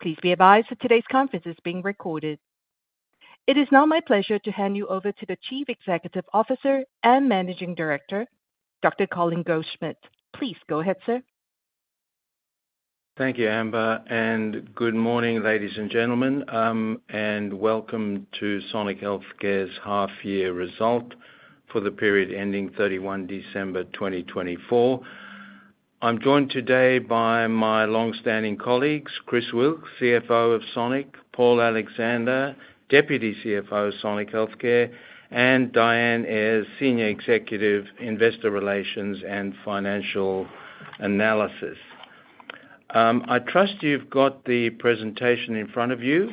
Please be advised that today's conference is being recorded. It is now my pleasure to hand you over to the Chief Executive Officer and Managing Director, Dr. Colin Goldschmidt. Please go ahead, sir. Thank you, Amber, and good morning, ladies and gentlemen, and welcome to Sonic Healthcare's Half-Year Result for the period ending 31 December 2024. I'm joined today by my longstanding colleagues, Chris Wilks, CFO of Sonic; Paul Alexander, Deputy CFO of Sonic Healthcare; and Dianne Ayers, Senior Executive, Investor Relations and Financial Analysis. I trust you've got the presentation in front of you,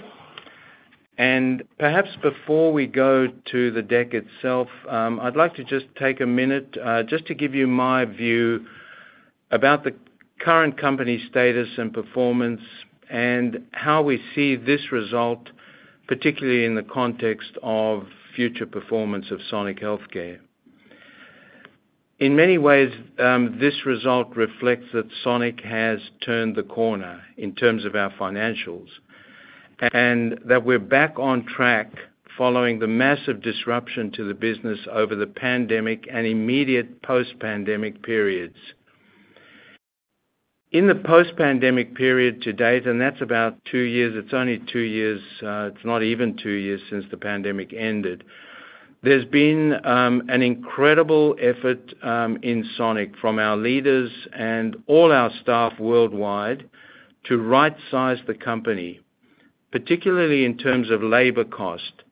and perhaps before we go to the deck itself, I'd like to just take a minute just to give you my view about the current company status and performance and how we see this result, particularly in the context of future performance of Sonic Healthcare. In many ways, this result reflects that Sonic has turned the corner in terms of our financials and that we're back on track following the massive disruption to the business over the pandemic and immediate post-pandemic periods. In the post-pandemic period to date, and that's about two years (it's only two years, it's not even two years since the pandemic ended), there's been an incredible effort in Sonic from our leaders and all our staff worldwide to right-size the company, particularly in terms of labor cost.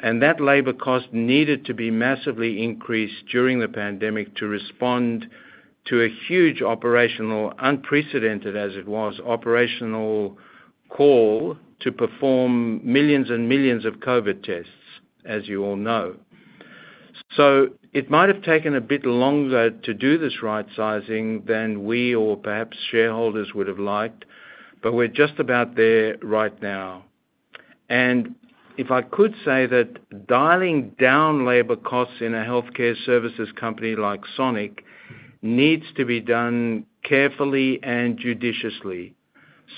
And that labor cost needed to be massively increased during the pandemic to respond to a huge operational (unprecedented as it was) operational call to perform millions and millions of COVID tests, as you all know, so it might have taken a bit longer to do this right-sizing than we or perhaps shareholders would have liked, but we're just about there right now. And if I could say that dialing down labor costs in a healthcare services company like Sonic needs to be done carefully and judiciously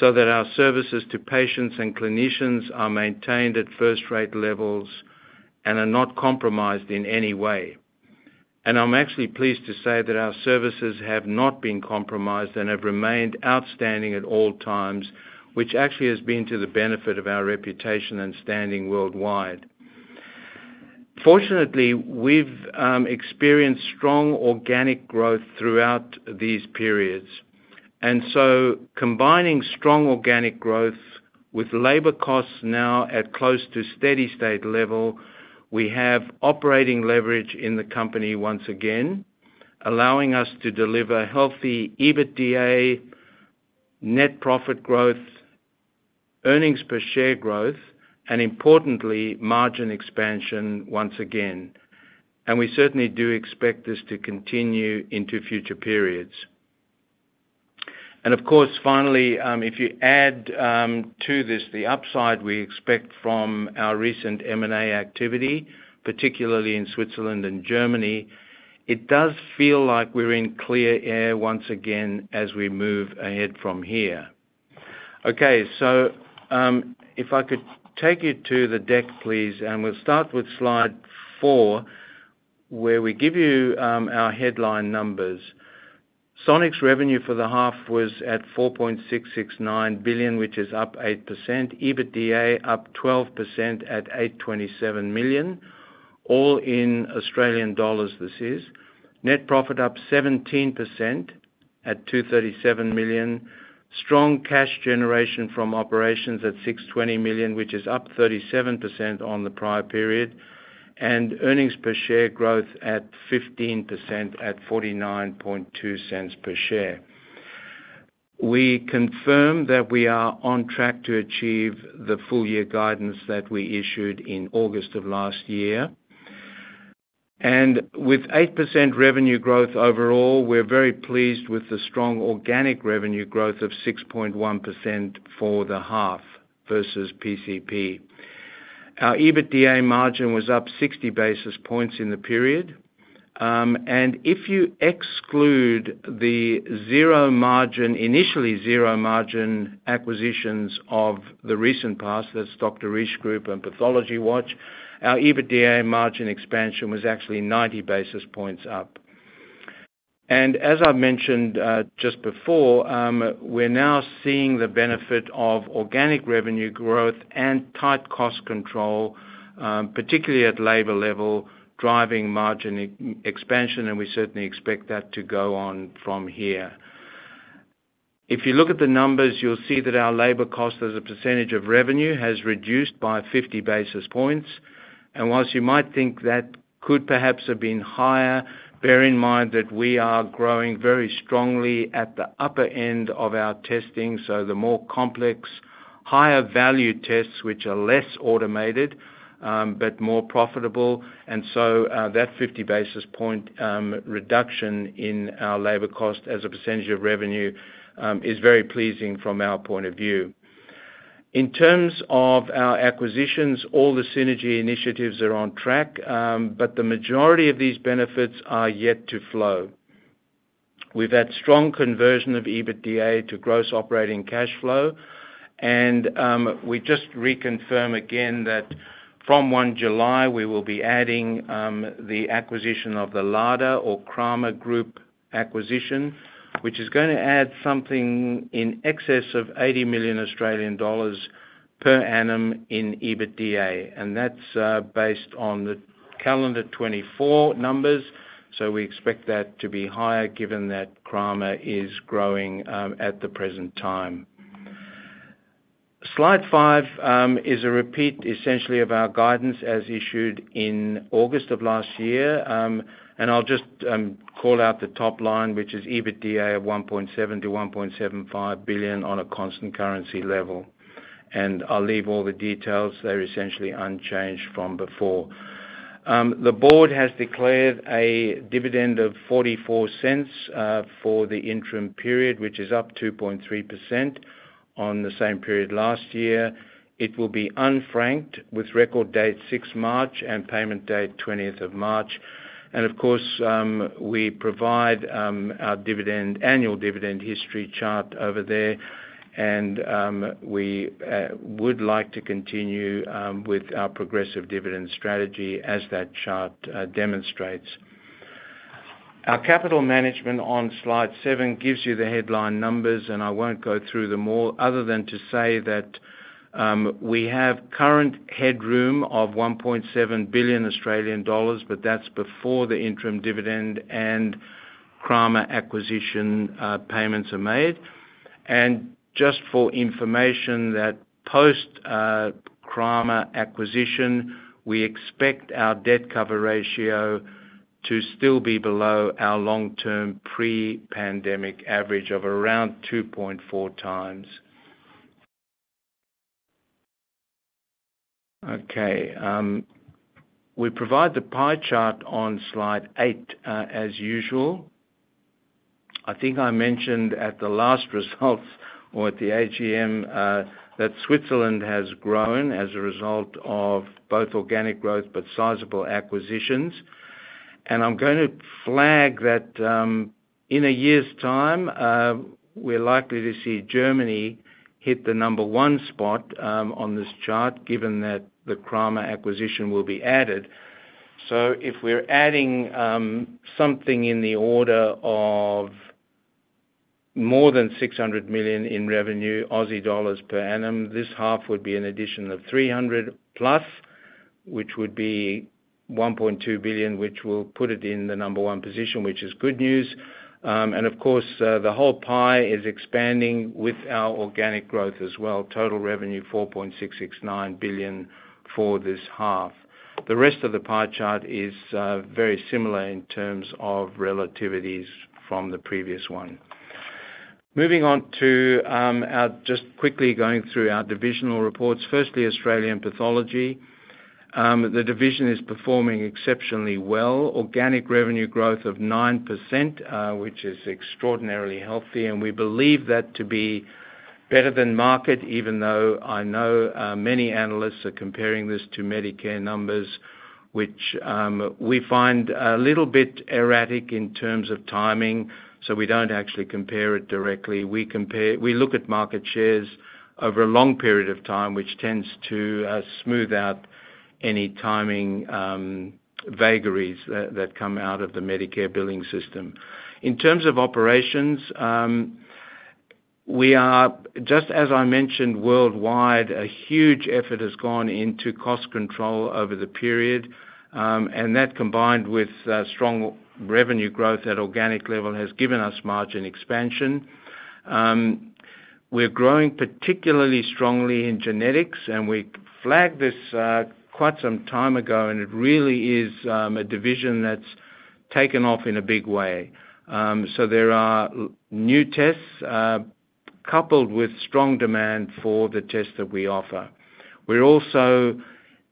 so that our services to patients and clinicians are maintained at first-rate levels and are not compromised in any way. And I'm actually pleased to say that our services have not been compromised and have remained outstanding at all times, which actually has been to the benefit of our reputation and standing worldwide. Fortunately, we've experienced strong organic growth throughout these periods. And so combining strong organic growth with labor costs now at close to steady-state level, we have operating leverage in the company once again, allowing us to deliver healthy EBITDA, net profit growth, earnings per share growth, and importantly, margin expansion once again. And we certainly do expect this to continue into future periods. And of course, finally, if you add to this the upside we expect from our recent M&A activity, particularly in Switzerland and Germany, it does feel like we're in clear air once again as we move ahead from here. Okay, so if I could take you to the deck, please, and we'll start with slide four where we give you our headline numbers. Sonic's revenue for the half was at 4.669 billion, which is up 8%. EBITDA up 12% at 827 million, all in Australian dollars this is. Net profit up 17% at 237 million. Strong cash generation from operations at 620 million, which is up 37% on the prior period. And earnings per share growth at 15% at 0.492 per share. We confirm that we are on track to achieve the full-year guidance that we issued in August of last year. With 8% revenue growth overall, we're very pleased with the strong organic revenue growth of 6.1% for the half versus PCP. Our EBITDA margin was up 60 basis points in the period. And if you exclude the zero-margin, initially zero-margin acquisitions of the recent past - that's Dr. Risch Group and PathologyWatch - our EBITDA margin expansion was actually 90 basis points up. And as I've mentioned just before, we're now seeing the benefit of organic revenue growth and tight cost control, particularly at labor level, driving margin expansion, and we certainly expect that to go on from here. If you look at the numbers, you'll see that our labor cost as a percentage of revenue has reduced by 50 basis points. And while you might think that could perhaps have been higher, bear in mind that we are growing very strongly at the upper end of our testing. So the more complex, higher-value tests, which are less automated but more profitable. And so that 50 basis point reduction in our labor cost as a percentage of revenue is very pleasing from our point of view. In terms of our acquisitions, all the synergy initiatives are on track, but the majority of these benefits are yet to flow. We've had strong conversion of EBITDA to gross operating cash flow, and we just reconfirm again that from 1 July, we will be adding the acquisition of the LADR or Kramer Group acquisition, which is going to add something in excess of 80 million Australian dollars per annum in EBITDA. And that's based on the calendar 2024 numbers, so we expect that to be higher given that Kramer is growing at the present time. Slide five is a repeat, essentially, of our guidance as issued in August of last year. And I'll just call out the top line, which is EBITDA of 1.7 billion-1.75 billion on a constant currency level. And I'll leave all the details there essentially unchanged from before. The board has declared a dividend of 0.44 for the interim period, which is up 2.3% on the same period last year. It will be unfranked with record date 6 March and payment date 20th of March. And of course, we provide our annual dividend history chart over there, and we would like to continue with our progressive dividend strategy as that chart demonstrates. Our capital management on slide seven gives you the headline numbers, and I won't go through them all other than to say that we have current headroom of 1.7 billion Australian dollars, but that's before the interim dividend and Kramer acquisition payments are made. Just for information, that post-Kramer acquisition, we expect our debt cover ratio to still be below our long-term pre-pandemic average of around 2.4 times. Okay. We provide the pie chart on slide eight as usual. I think I mentioned at the last results or at the AGM that Switzerland has grown as a result of both organic growth but sizable acquisitions. I'm going to flag that in a year's time, we're likely to see Germany hit the number one spot on this chart given that the Kramer acquisition will be added. So if we're adding something in the order of more than 600 million in revenue per annum, this half would be an addition of 300 plus, which would be 1.2 billion, which will put it in the number one position, which is good news. Of course, the whole pie is expanding with our organic growth as well. Total revenue 4.669 billion for this half. The rest of the pie chart is very similar in terms of relativities from the previous one. Moving on to just quickly going through our divisional reports. Firstly, Australian pathology. The division is performing exceptionally well. Organic revenue growth of 9%, which is extraordinarily healthy. We believe that to be better than market, even though I know many analysts are comparing this to Medicare numbers, which we find a little bit erratic in terms of timing, so we don't actually compare it directly. We look at market shares over a long period of time, which tends to smooth out any timing vagaries that come out of the Medicare billing system. In terms of operations, we are, just as I mentioned, worldwide, a huge effort has gone into cost control over the period, and that combined with strong revenue growth at organic level has given us margin expansion. We're growing particularly strongly in genetics, and we flagged this quite some time ago, and it really is a division that's taken off in a big way, so there are new tests coupled with strong demand for the tests that we offer. We're also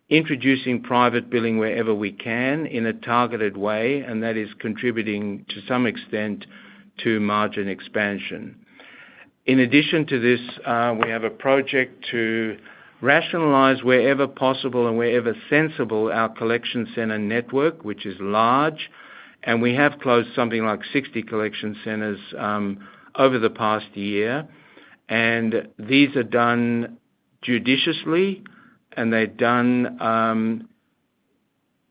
introducing private billing wherever we can in a targeted way, and that is contributing to some extent to margin expansion. In addition to this, we have a project to rationalize wherever possible and wherever sensible our collection center network, which is large, and we have closed something like 60 collection centers over the past year, and these are done judiciously, and they're done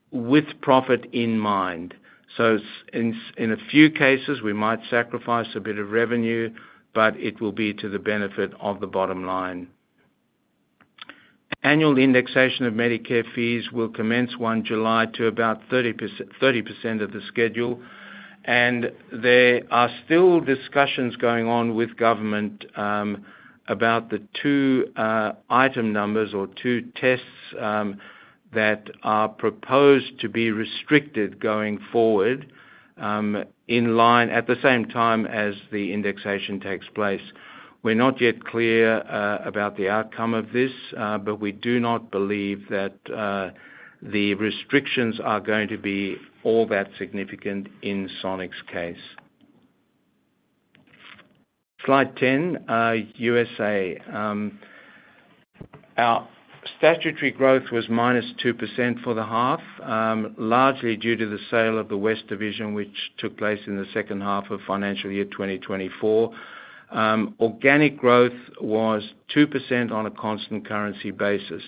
with profit in mind. In a few cases, we might sacrifice a bit of revenue, but it will be to the benefit of the bottom line. Annual indexation of Medicare fees will commence 1 July, to about 30% of the schedule. There are still discussions going on with government about the two item numbers or two tests that are proposed to be restricted going forward in line at the same time as the indexation takes place. We're not yet clear about the outcome of this, but we do not believe that the restrictions are going to be all that significant in Sonic's case. Slide 10, USA. Our statutory growth was -2% for the half, largely due to the sale of the West Division, which took place in the second half of financial year 2024. Organic growth was 2% on a constant currency basis,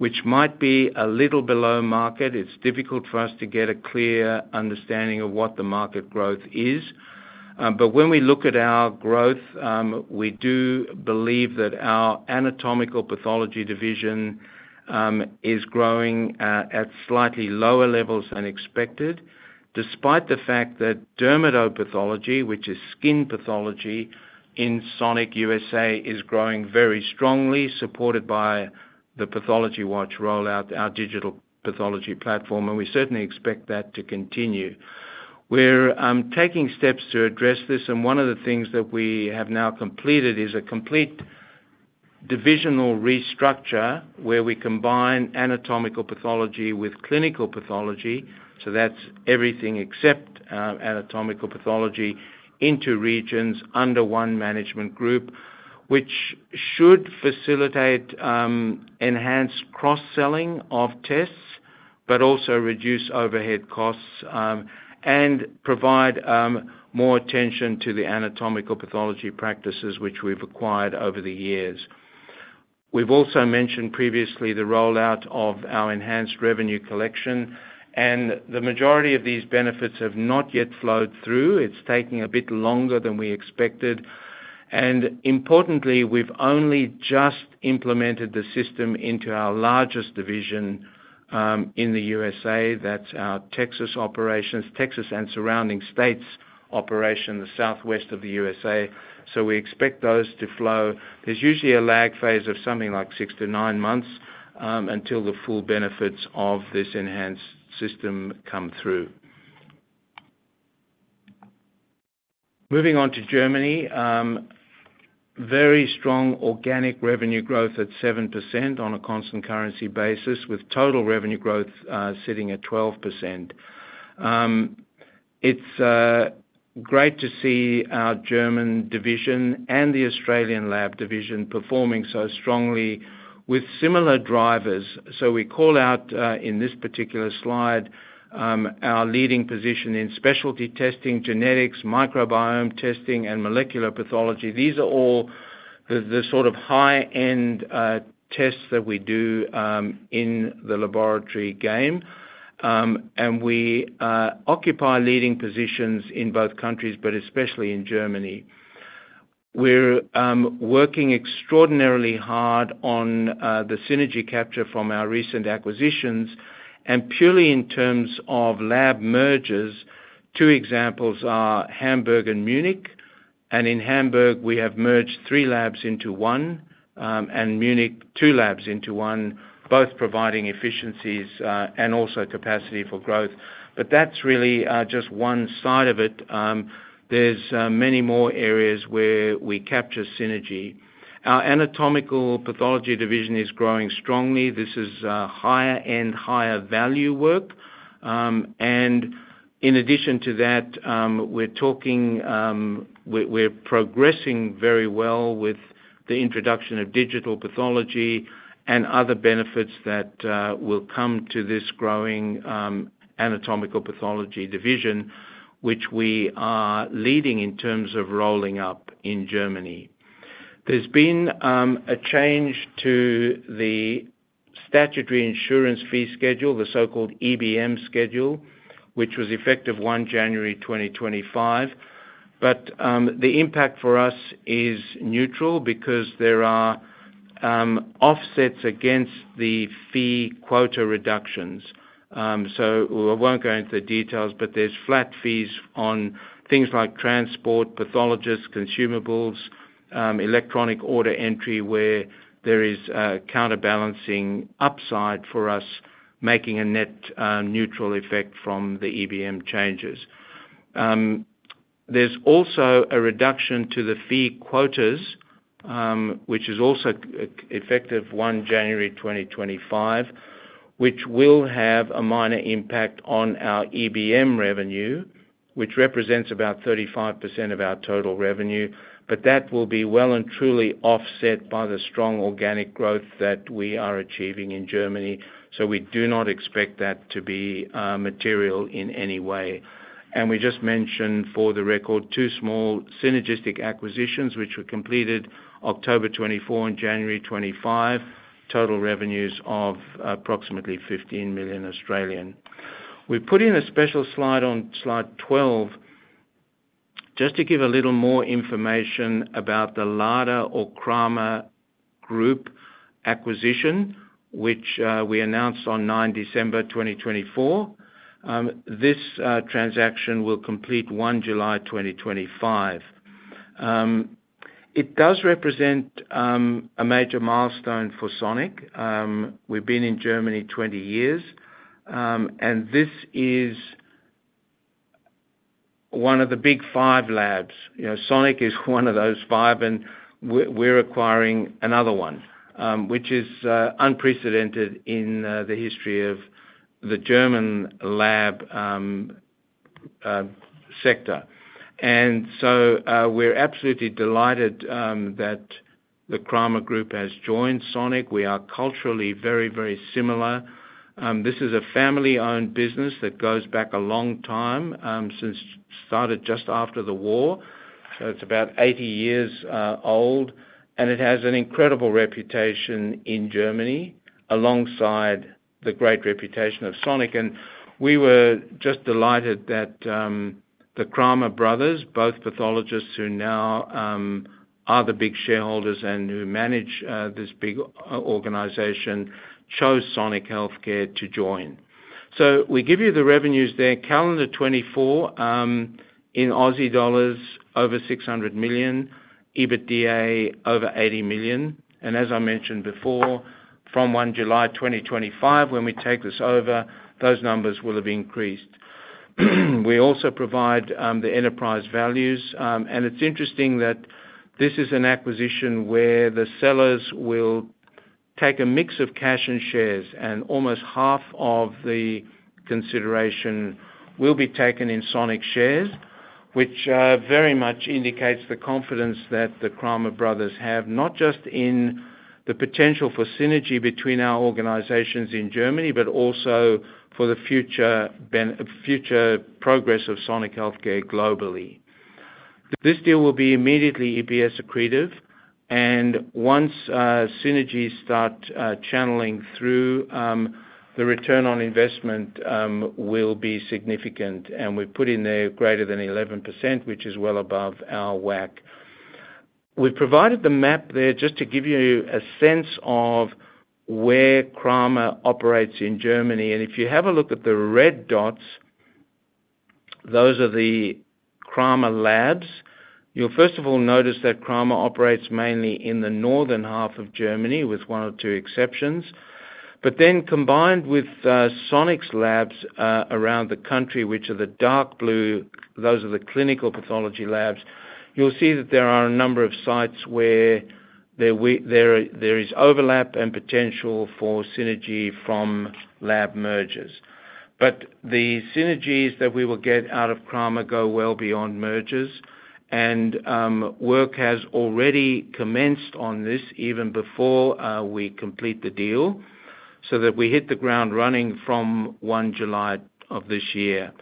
which might be a little below market. It's difficult for us to get a clear understanding of what the market growth is. But when we look at our growth, we do believe that our anatomical pathology division is growing at slightly lower levels than expected, despite the fact that dermatopathology, which is skin pathology in Sonic USA, is growing very strongly, supported by the PathologyWatch rollout, our digital pathology platform, and we certainly expect that to continue. We're taking steps to address this, and one of the things that we have now completed is a complete divisional restructure where we combine anatomical pathology with clinical pathology. So that's everything except anatomical pathology into regions under one management group, which should facilitate enhanced cross-selling of tests but also reduce overhead costs and provide more attention to the anatomical pathology practices which we've acquired over the years. We've also mentioned previously the rollout of our enhanced revenue collection, and the majority of these benefits have not yet flowed through. It's taking a bit longer than we expected. And importantly, we've only just implemented the system into our largest division in the USA. That's our Texas operations, Texas and surrounding states operation, the southwest of the USA. So we expect those to flow. There's usually a lag phase of something like six to nine months until the full benefits of this enhanced system come through. Moving on to Germany, very strong organic revenue growth at 7% on a constant currency basis with total revenue growth sitting at 12%. It's great to see our German division and the Australian lab division performing so strongly with similar drivers. So we call out in this particular slide our leading position in specialty testing, genetics, microbiome testing, and molecular pathology. These are all the sort of high-end tests that we do in the laboratory game, and we occupy leading positions in both countries, but especially in Germany. We're working extraordinarily hard on the synergy capture from our recent acquisitions and purely in terms of lab mergers. Two examples are Hamburg and Munich, and in Hamburg, we have merged three labs into one and Munich, two labs into one, both providing efficiencies and also capacity for growth, but that's really just one side of it. There's many more areas where we capture synergy. Our anatomical pathology division is growing strongly. This is higher-end, higher-value work, and in addition to that, we're progressing very well with the introduction of digital pathology and other benefits that will come to this growing anatomical pathology division, which we are leading in terms of rolling up in Germany. There's been a change to the statutory insurance fee schedule, the so-called EBM schedule, which was effective 1 January 2025. But the impact for us is neutral because there are offsets against the fee quota reductions. So I won't go into the details, but there's flat fees on things like transport, pathologists, consumables, electronic order entry, where there is counterbalancing upside for us making a net neutral effect from the EBM changes. There's also a reduction to the fee quotas, which is also effective 1 January 2025, which will have a minor impact on our EBM revenue, which represents about 35% of our total revenue. But that will be well and truly offset by the strong organic growth that we are achieving in Germany. So we do not expect that to be material in any way. And we just mentioned for the record two small synergistic acquisitions, which were completed October 24 and January 25, total revenues of approximately 15 million. We put in a special slide on slide 12 just to give a little more information about the Lademannbogen or Kramer Group acquisition, which we announced on 9 December 2024. This transaction will complete 1 July 2025. It does represent a major milestone for Sonic. We've been in Germany 20 years, and this is one of the big five labs. Sonic is one of those five, and we're acquiring another one, which is unprecedented in the history of the German lab sector. And so we're absolutely delighted that the Kramer Group has joined Sonic. We are culturally very, very similar. This is a family-owned business that goes back a long time, since started just after the war. So it's about 80 years old, and it has an incredible reputation in Germany alongside the great reputation of Sonic, and we were just delighted that the Kramer brothers, both pathologists who now are the big shareholders and who manage this big organization, chose Sonic Healthcare to join, so we give you the revenues there. Calendar 2024 in Aussie dollars, over 600 million, EBITDA over 80 million, and as I mentioned before, from 1 July 2025, when we take this over, those numbers will have increased. We also provide the enterprise values. And it's interesting that this is an acquisition where the sellers will take a mix of cash and shares, and almost half of the consideration will be taken in Sonic shares, which very much indicates the confidence that the Kramer brothers have, not just in the potential for synergy between our organizations in Germany, but also for the future progress of Sonic Healthcare globally. This deal will be immediately EPS accretive. And once synergies start channeling through, the return on investment will be significant. And we've put in there greater than 11%, which is well above our WACC. We've provided the map there just to give you a sense of where Kramer operates in Germany. And if you have a look at the red dots, those are the Kramer labs. You'll first of all notice that Kramer operates mainly in the northern half of Germany, with one or two exceptions. But then combined with Sonic's labs around the country, which are the dark blue, those are the clinical pathology labs, you'll see that there are a number of sites where there is overlap and potential for synergy from lab mergers. But the synergies that we will get out of Kramer go well beyond mergers. And work has already commenced on this even before we complete the deal so that we hit the ground running from 1 July of this year.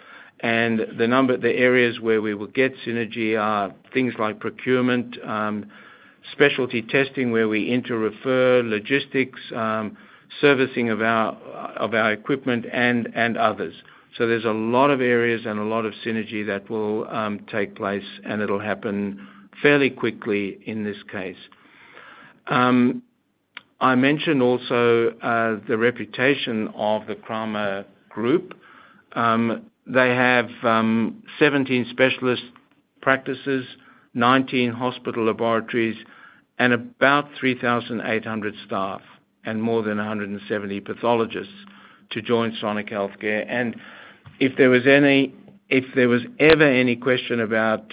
And the areas where we will get synergy are things like procurement, specialty testing where we inter-refer, logistics, servicing of our equipment, and others. So there's a lot of areas and a lot of synergy that will take place, and it'll happen fairly quickly in this case. I mentioned also the reputation of the Kramer Group. They have 17 specialist practices, 19 hospital laboratories, and about 3,800 staff and more than 170 pathologists to join Sonic Healthcare, and if there was ever any question about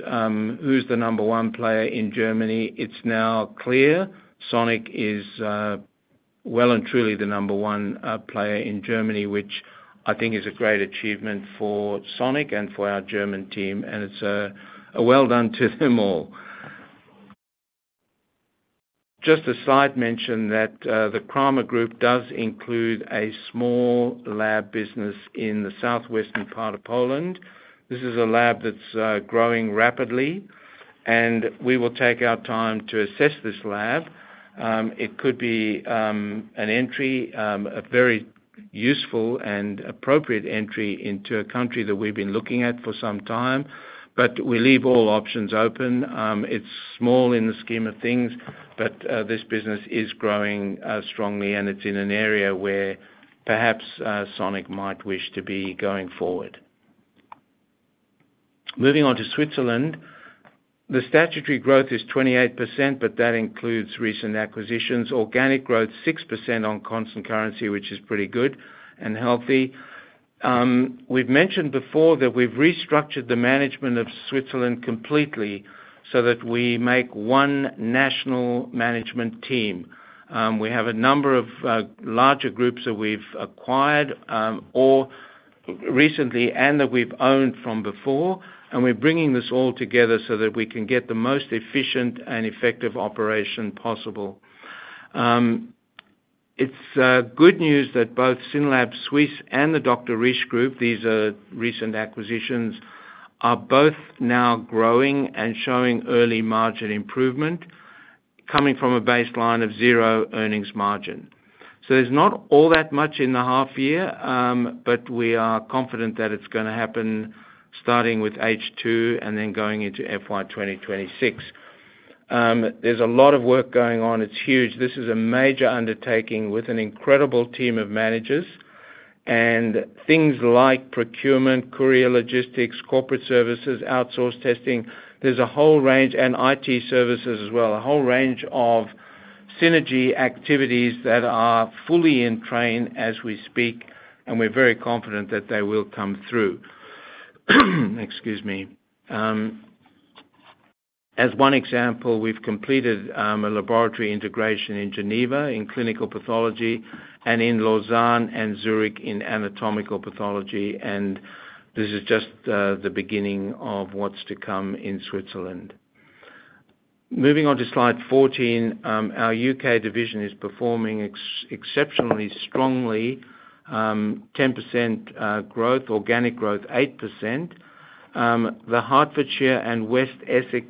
who's the number one player in Germany, it's now clear. Sonic is well and truly the number one player in Germany, which I think is a great achievement for Sonic and for our German team, and it's a well done to them all. Just a side mention that the Kramer Group does include a small lab business in the southwestern part of Poland. This is a lab that's growing rapidly, and we will take our time to assess this lab. It could be an entry, a very useful and appropriate entry into a country that we've been looking at for some time, but we leave all options open. It's small in the scheme of things, but this business is growing strongly, and it's in an area where perhaps Sonic might wish to be going forward. Moving on to Switzerland. The statutory growth is 28%, but that includes recent acquisitions. Organic growth, 6% on constant currency, which is pretty good and healthy. We've mentioned before that we've restructured the management of Switzerland completely so that we make one national management team. We have a number of larger groups that we've acquired or recently and that we've owned from before, and we're bringing this all together so that we can get the most efficient and effective operation possible. It's good news that both Synlab Suisse and the Dr. Risch Group, these are recent acquisitions, are both now growing and showing early margin improvement coming from a baseline of zero earnings margin. So there's not all that much in the half year, but we are confident that it's going to happen starting with H2 and then going into FY 2026. There's a lot of work going on. It's huge. This is a major undertaking with an incredible team of managers. And things like procurement, courier logistics, corporate services, outsource testing, there's a whole range, and IT services as well, a whole range of synergy activities that are fully in train as we speak. And we're very confident that they will come through. Excuse me. As one example, we've completed a laboratory integration in Geneva in clinical pathology and in Lausanne and Zurich in anatomical pathology. And this is just the beginning of what's to come in Switzerland. Moving on to slide 14, our U.K. division is performing exceptionally strongly, 10% growth, organic growth, 8%. The Hertfordshire and West Essex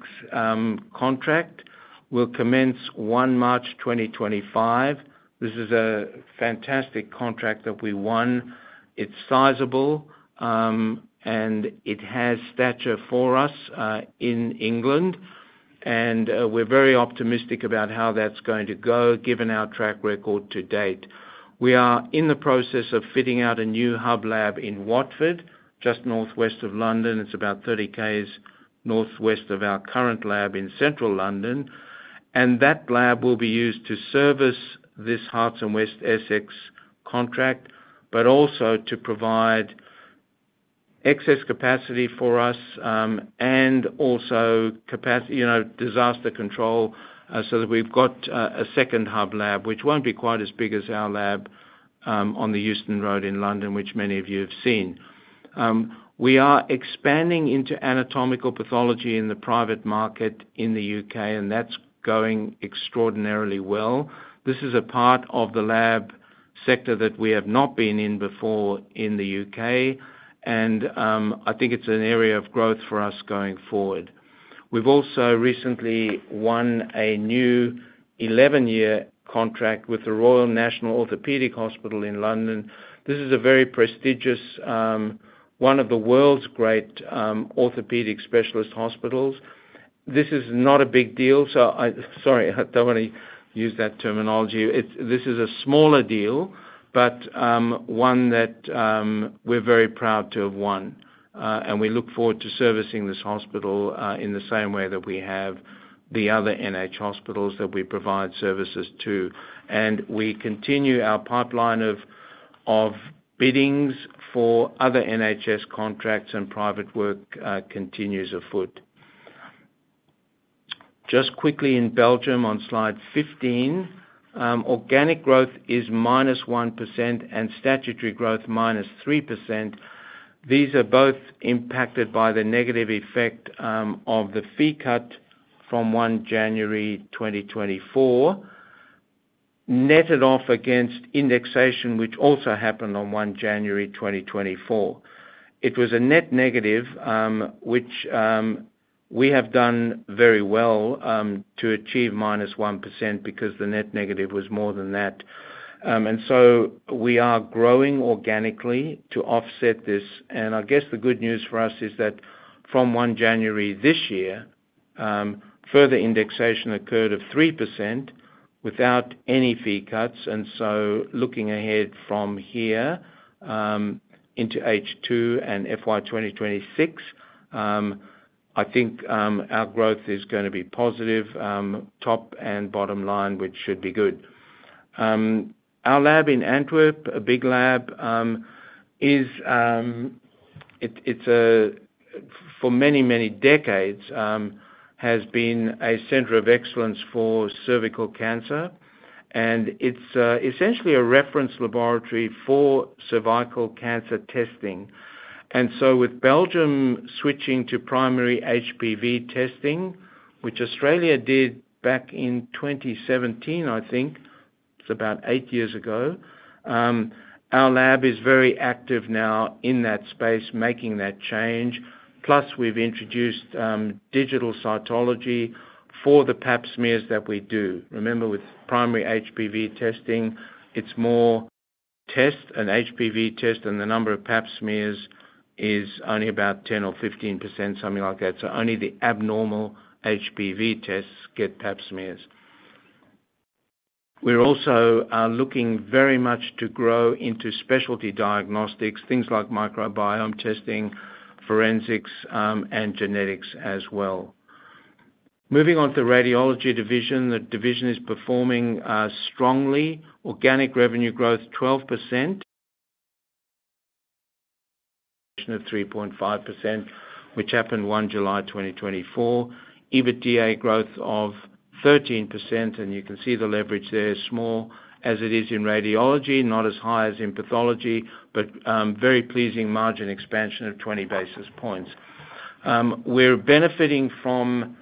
contract will commence 1 March 2025. This is a fantastic contract that we won. It's sizable, and it has stature for us in England. We're very optimistic about how that's going to go given our track record to date. We are in the process of fitting out a new hub lab in Watford, just northwest of London. It's about 30 km northwest of our current lab in central London. That lab will be used to service this Hertfordshire and West Essex contract, but also to provide excess capacity for us and also disaster control so that we've got a second hub lab, which won't be quite as big as our lab on the Euston Road in London, which many of you have seen. We are expanding into anatomical pathology in the private market in the U.K., and that's going extraordinarily well. This is a part of the lab sector that we have not been in before in the U.K.. And I think it's an area of growth for us going forward. We've also recently won a new 11-year contract with the Royal National Orthopaedic Hospital in London. This is a very prestigious, one of the world's great orthopedic specialist hospitals. This is not a big deal. Sorry, I don't want to use that terminology. This is a smaller deal, but one that we're very proud to have won. And we look forward to servicing this hospital in the same way that we have the other NHS hospitals that we provide services to. And we continue our pipeline of biddings for other NHS contracts and private work continues afoot. Just quickly in Belgium on slide 15, organic growth is minus 1% and statutory growth minus 3%. These are both impacted by the negative effect of the fee cut from 1 January 2024, netted off against indexation, which also happened on 1 January 2024. It was a net negative, which we have done very well to achieve -1% because the net negative was more than that. And so we are growing organically to offset this. And I guess the good news for us is that from 1 January this year, further indexation occurred of 3% without any fee cuts. And so looking ahead from here into H2 and FY 2026, I think our growth is going to be positive, top and bottom line, which should be good. Our lab in Antwerp, a big lab, for many, many decades has been a center of excellence for cervical cancer. And it's essentially a reference laboratory for cervical cancer testing. And so with Belgium switching to primary HPV testing, which Australia did back in 2017, I think, it's about eight years ago, our lab is very active now in that space, making that change. Plus, we've introduced digital cytology for the pap smears that we do. Remember, with primary HPV testing, it's more test and HPV test, and the number of pap smears is only about 10% or 15%, something like that. So only the abnormal HPV tests get pap smears. We're also looking very much to grow into specialty diagnostics, things like microbiome testing, forensics, and genetics as well. Moving on to the radiology division, the division is performing strongly. Organic revenue growth, 12%, of 3.5%, which happened 1 July 2024. EBITDA growth of 13%. You can see the leverage there, small as it is in radiology, not as high as in pathology, but very pleasing margin expansion of 20 basis points. We're benefiting from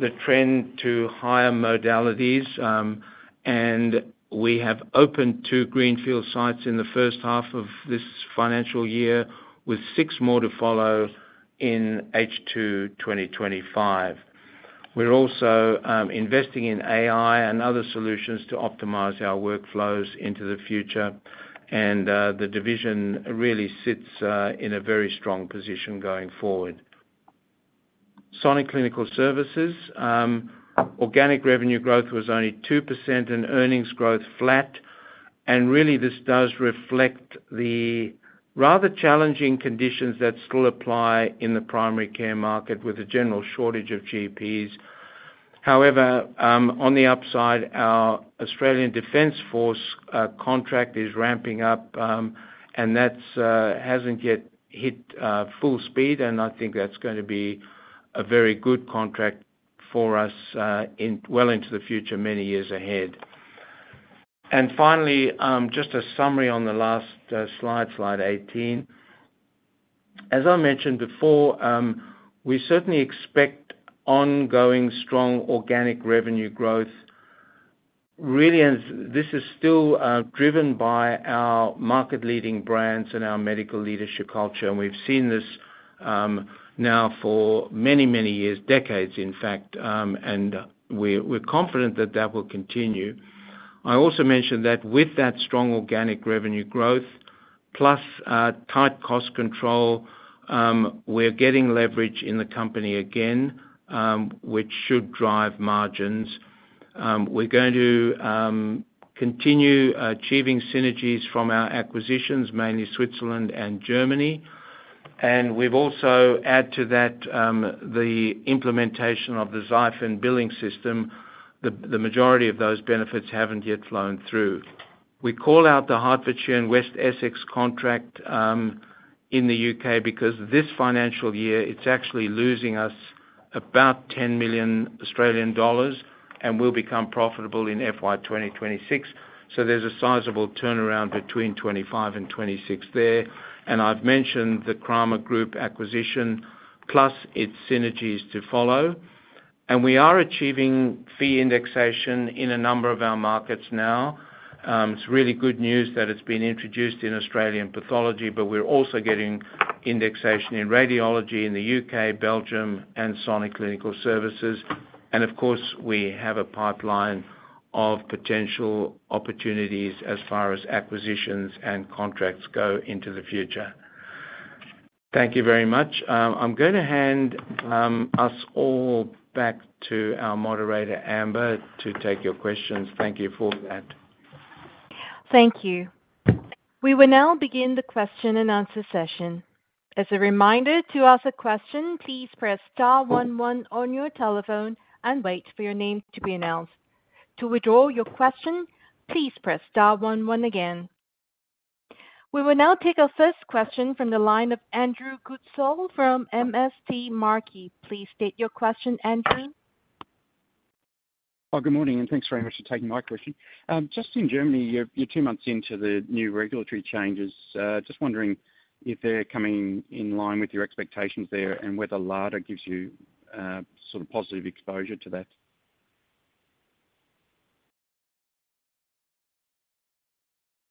the trend to higher modalities. We have opened two greenfield sites in the first half of this financial year with six more to follow in H2 2025. We're also investing in AI and other solutions to optimize our workflows into the future. The division really sits in a very strong position going forward. Sonic Clinical Services, organic revenue growth was only 2% and earnings growth flat. Really, this does reflect the rather challenging conditions that still apply in the primary care market with a general shortage of GPs. However, on the upside, our Australian Defence Force contract is ramping up, and that hasn't yet hit full speed. I think that's going to be a very good contract for us well into the future, many years ahead. Finally, just a summary on the last slide, slide 18. As I mentioned before, we certainly expect ongoing strong organic revenue growth. Really, this is still driven by our market-leading brands and our medical leadership culture. We've seen this now for many, many years, decades, in fact. We're confident that that will continue. I also mentioned that with that strong organic revenue growth, plus tight cost control, we're getting leverage in the company again, which should drive margins. We're going to continue achieving synergies from our acquisitions, mainly Switzerland and Germany. We've also added to that the implementation of the XIFIN billing system. The majority of those benefits haven't yet flown through. We call out the Hertfordshire and West Essex contract in the U.K. because this financial year, it's actually losing us about 10 million Australian dollars, and we'll become profitable in FY 2026, so there's a sizable turnaround between 25 and 26 there. And I've mentioned the Kramer Group acquisition, plus its synergies to follow, and we are achieving fee indexation in a number of our markets now. It's really good news that it's been introduced in Australian pathology, but we're also getting indexation in radiology in the U.K., Belgium, and Sonic Clinical Services, and of course, we have a pipeline of potential opportunities as far as acquisitions and contracts go into the future. Thank you very much. I'm going to hand us all back to our moderator, Amber, to take your questions. Thank you for that. Thank you. We will now begin the question and answer session. As a reminder, to ask a question, please press star one one on your telephone and wait for your name to be announced. To withdraw your question, please press star one one again. We will now take our first question from the line of Andrew Goodsall from MST Marquee. Please state your question, Andrew. Good morning, and thanks very much for taking my question. Just in Germany, you're two months into the new regulatory changes. Just wondering if they're coming in line with your expectations there and whether LADR gives you sort of positive exposure to that.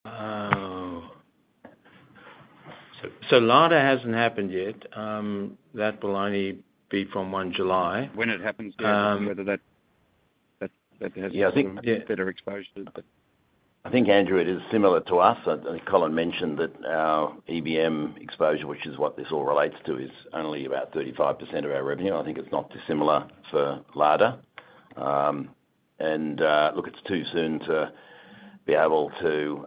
LADR hasn't happened yet. That will only be from 1 July. When it happens, whether that has better exposure. I think Andrew, it is similar to us. Colin mentioned that our EBM exposure, which is what this all relates to, is only about 35% of our revenue. I think it's not dissimilar for LADR. And look, it's too soon to be able to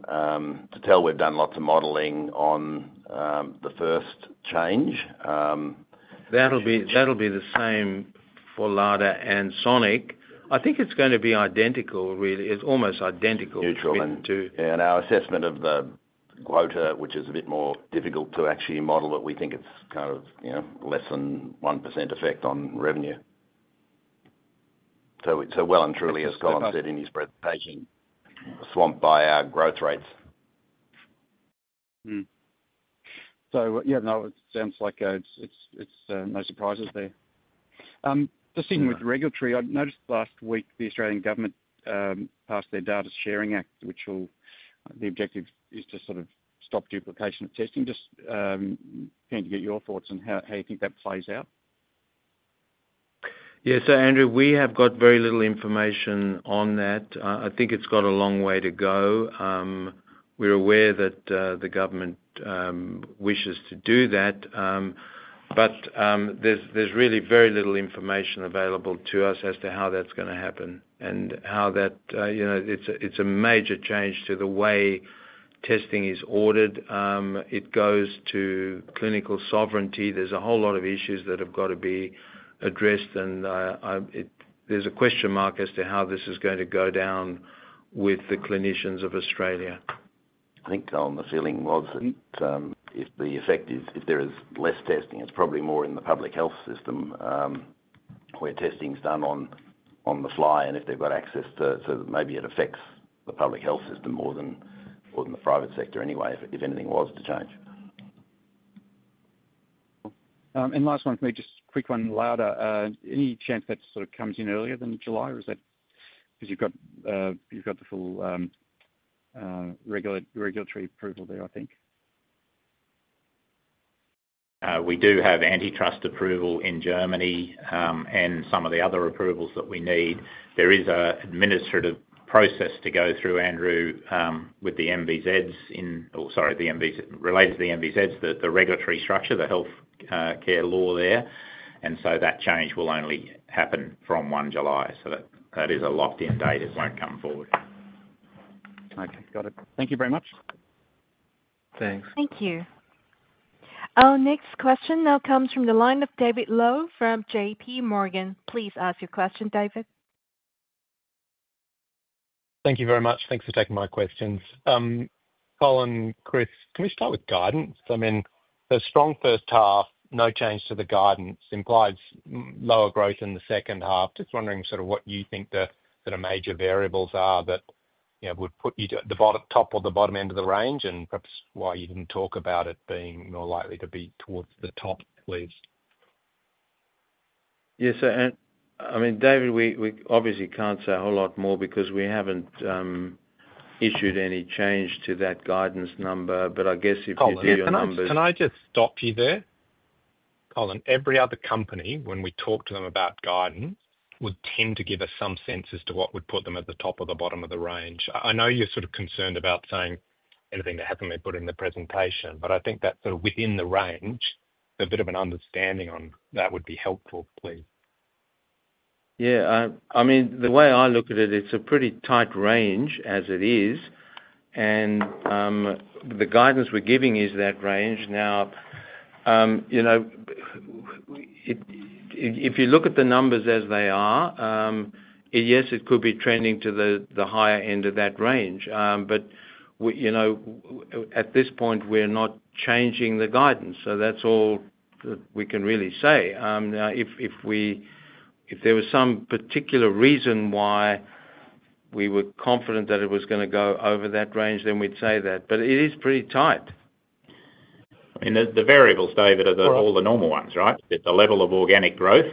tell. We've done lots of modeling on the first change. That'll be the same for LADR and Sonic. I think it's going to be identical, really. It's almost identical. Neutral. And our assessment of the quota, which is a bit more difficult to actually model it, we think it's kind of less than 1% effect on revenue. So well and truly, as Colin said in his presentation, swamped by our growth rates. Yeah, no, it sounds like it's no surprises there. Just even with regulatory, I noticed last week the Australian government passed their Data Sharing Act, which the objective is to sort of stop duplication of testing. Just trying to get your thoughts on how you think that plays out. Yeah. So Andrew, we have got very little information on that. I think it's got a long way to go. We're aware that the government wishes to do that. But there's really very little information available to us as to how that's going to happen and how that it's a major change to the way testing is ordered. It goes to clinical sovereignty. There's a whole lot of issues that have got to be addressed. And there's a question mark as to how this is going to go down with the clinicians of Australia. I think the feeling was that if the effect is there is less testing, it's probably more in the public health system where testing's done on the fly and if they've got access to it, so maybe it affects the public health system more than the private sector anyway, if anything was to change. And last one, just quick one in LADR. Any chance that sort of comes in earlier than July? Because you've got the full regulatory approval there, I think. We do have antitrust approval in Germany and some of the other approvals that we need. There is an administrative process to go through, Andrew, with the MVZs in or sorry, related to the MVZs, the regulatory structure, the healthcare law there. And so that change will only happen from 1 July. So that is a locked-in date. It won't come forward. Okay. Got it. Thank you very much. Thanks. Thank you. Our next question now comes from the line of David Lowe from JPMorgan. Please ask your question, David. Thank you very much. Thanks for taking my questions. Colin, Chris, can we start with guidance? I mean, the strong first half, no change to the guidance implies lower growth in the second half. Just wondering sort of what you think the major variables are that would put you at the top or the bottom end of the range and perhaps why you didn't talk about it being more likely to be towards the top, please? Yes. I mean, David, we obviously can't say a whole lot more because we haven't issued any change to that guidance number. But I guess if you do your numbers. Can I just stop you there? Colin, every other company, when we talk to them about guidance, would tend to give us some sense as to what would put them at the top or the bottom of the range. I know you're sort of concerned about saying anything that hasn't been put in the presentation, but I think that's sort of within the range. A bit of an understanding on that would be helpful, please. Yeah. I mean, the way I look at it, it's a pretty tight range as it is. And the guidance we're giving is that range. Now, if you look at the numbers as they are, yes, it could be trending to the higher end of that range. But at this point, we're not changing the guidance. So that's all that we can really say. Now, if there was some particular reason why we were confident that it was going to go over that range, then we'd say that. But it is pretty tight. I mean, the variables, David, are all the normal ones, right? The level of organic growth.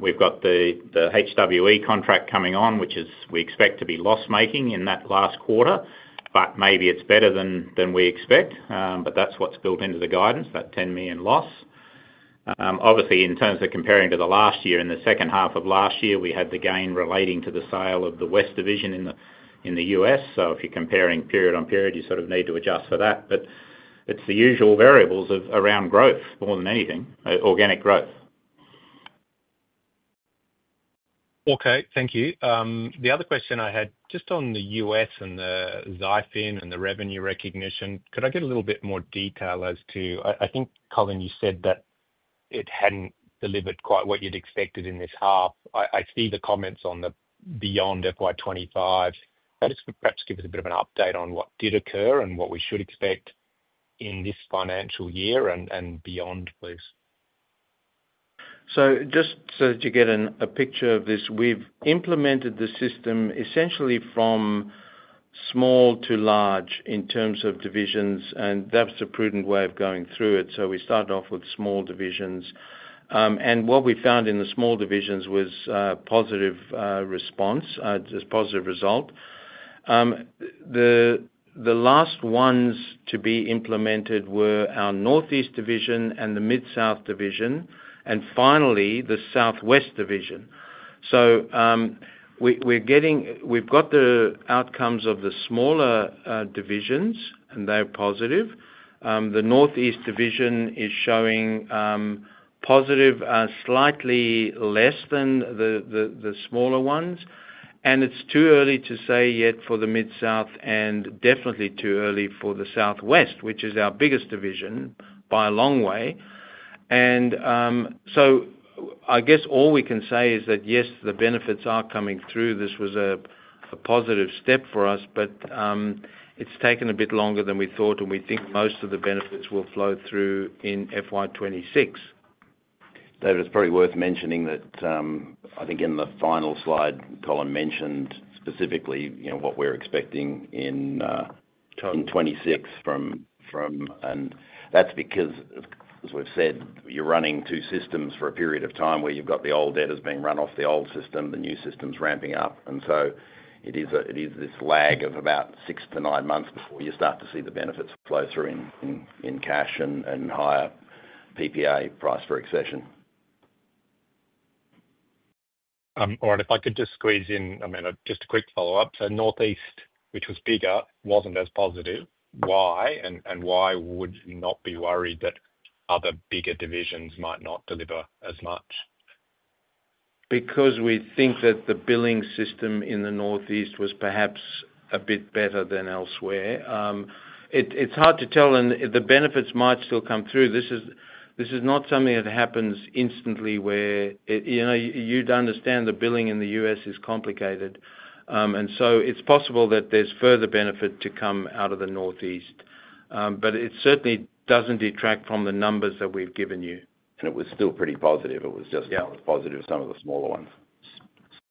We've got the HWE contract coming on, which we expect to be loss-making in that last quarter, but maybe it's better than we expect. But that's what's built into the guidance, that 10 million loss. Obviously, in terms of comparing to the last year, in the second half of last year, we had the gain relating to the sale of the West division in the U.S.. So if you're comparing period on period, you sort of need to adjust for that. But it's the usual variables around growth more than anything, organic growth. Okay. Thank you. The other question I had, just on the U.S. and the XIFIN and the revenue recognition, could I get a little bit more detail as to I think, Colin, you said that it hadn't delivered quite what you'd expected in this half. I see the comments on the beyond FY 2025. Perhaps give us a bit of an update on what did occur and what we should expect in this financial year and beyond, please. So just so that you get a picture of this, we've implemented the system essentially from small to large in terms of divisions. And that was a prudent way of going through it. So we started off with small divisions. And what we found in the small divisions was positive response, positive result. The last ones to be implemented were our Northeast Division and the Mid-South Division, and finally, the Southwest Division. So we've got the outcomes of the smaller divisions, and they're positive. The Northeast Division is showing positive, slightly less than the smaller ones. And it's too early to say yet for the Mid-South and definitely too early for the Southwest, which is our biggest division by a long way. And so I guess all we can say is that, yes, the benefits are coming through. This was a positive step for us, but it's taken a bit longer than we thought, and we think most of the benefits will flow through in FY 2026. David, it's probably worth mentioning that I think in the final slide, Colin mentioned specifically what we're expecting in 2026 from. And that's because, as we've said, you're running two systems for a period of time where you've got the old data's being run off the old system, the new system's ramping up. And so it is this lag of about six to nine months before you start to see the benefits flow through in cash and higher PPA price for accession. All right. If I could just squeeze in, I mean, just a quick follow-up. So Northeast, which was bigger, wasn't as positive. Why? And why would you not be worried that other bigger divisions might not deliver as much? Because we think that the billing system in the Northeast was perhaps a bit better than elsewhere. It's hard to tell. And the benefits might still come through. This is not something that happens instantly where you'd understand the billing in the U.S. is complicated. And so it's possible that there's further benefit to come out of the Northeast. But it certainly doesn't detract from the numbers that we've given you. And it was still pretty positive. It was just positive for some of the smaller ones.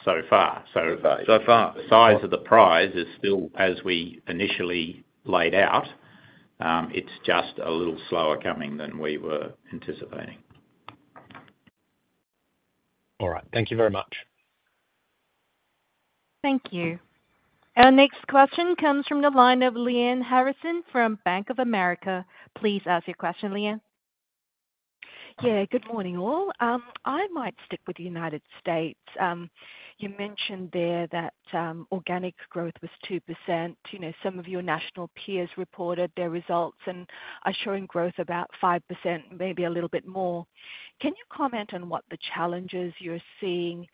So far. So far. So far, the size of the prize is still, as we initially laid out, it's just a little slower coming than we were anticipating. All right. Thank you very much. Thank you. Our next question comes from the line of Lyanne Harrison from Bank of America. Please ask your question, Liane. Yeah. Good morning, all. I might stick with the United States. You mentioned there that organic growth was 2%. Some of your national peers reported their results and are showing growth about 5%, maybe a little bit more. Can you comment on what the challenges you're seeing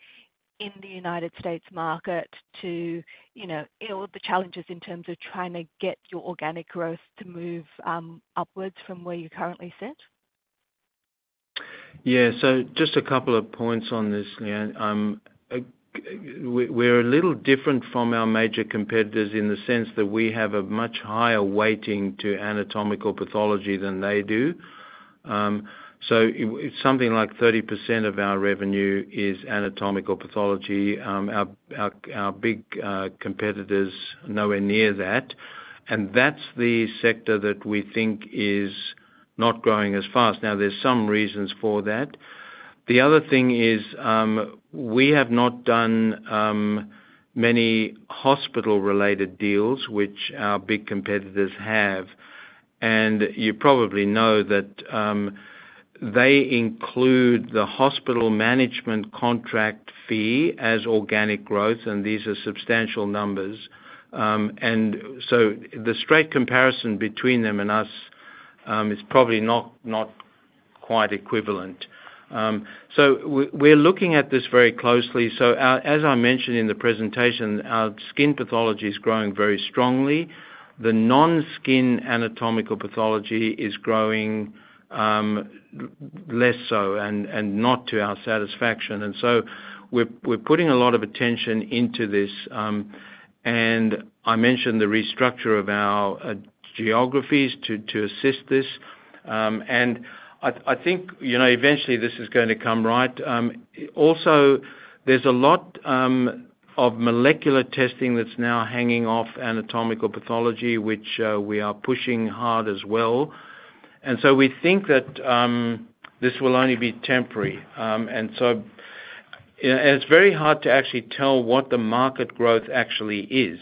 in the United States market to the challenges in terms of trying to get your organic growth to move upwards from where you currently sit? Yeah. So just a couple of points on this, Lyanne. We're a little different from our major competitors in the sense that we have a much higher weighting to anatomical pathology than they do. So something like 30% of our revenue is anatomical pathology. Our big competitors are nowhere near that. And that's the sector that we think is not growing as fast. Now, there's some reasons for that. The other thing is we have not done many hospital-related deals, which our big competitors have. And you probably know that they include the hospital management contract fee as organic growth, and these are substantial numbers. And so the straight comparison between them and us is probably not quite equivalent. So we're looking at this very closely. So as I mentioned in the presentation, our skin pathology is growing very strongly. The non-skin anatomical pathology is growing less so and not to our satisfaction. And so we're putting a lot of attention into this. And I mentioned the restructure of our geographies to assist this. And I think eventually this is going to come right. Also, there's a lot of molecular testing that's now hanging off anatomical pathology, which we are pushing hard as well. And so we think that this will only be temporary. And so it's very hard to actually tell what the market growth actually is.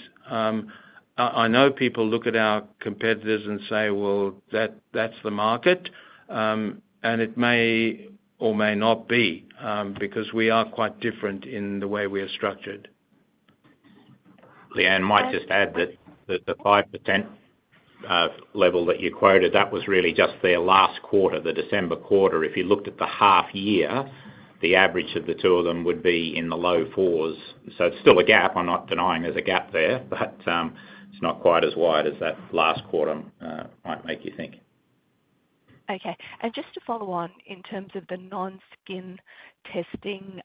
I know people look at our competitors and say, "Well, that's the market." And it may or may not be because we are quite different in the way we are structured. Liane might just add that the 5% level that you quoted, that was really just their last quarter, the December quarter. If you looked at the half year, the average of the two of them would be in the low fours. So it's still a gap. I'm not denying there's a gap there, but it's not quite as wide as that last quarter might make you think. Okay. And just to follow on in terms of the non-skin testing,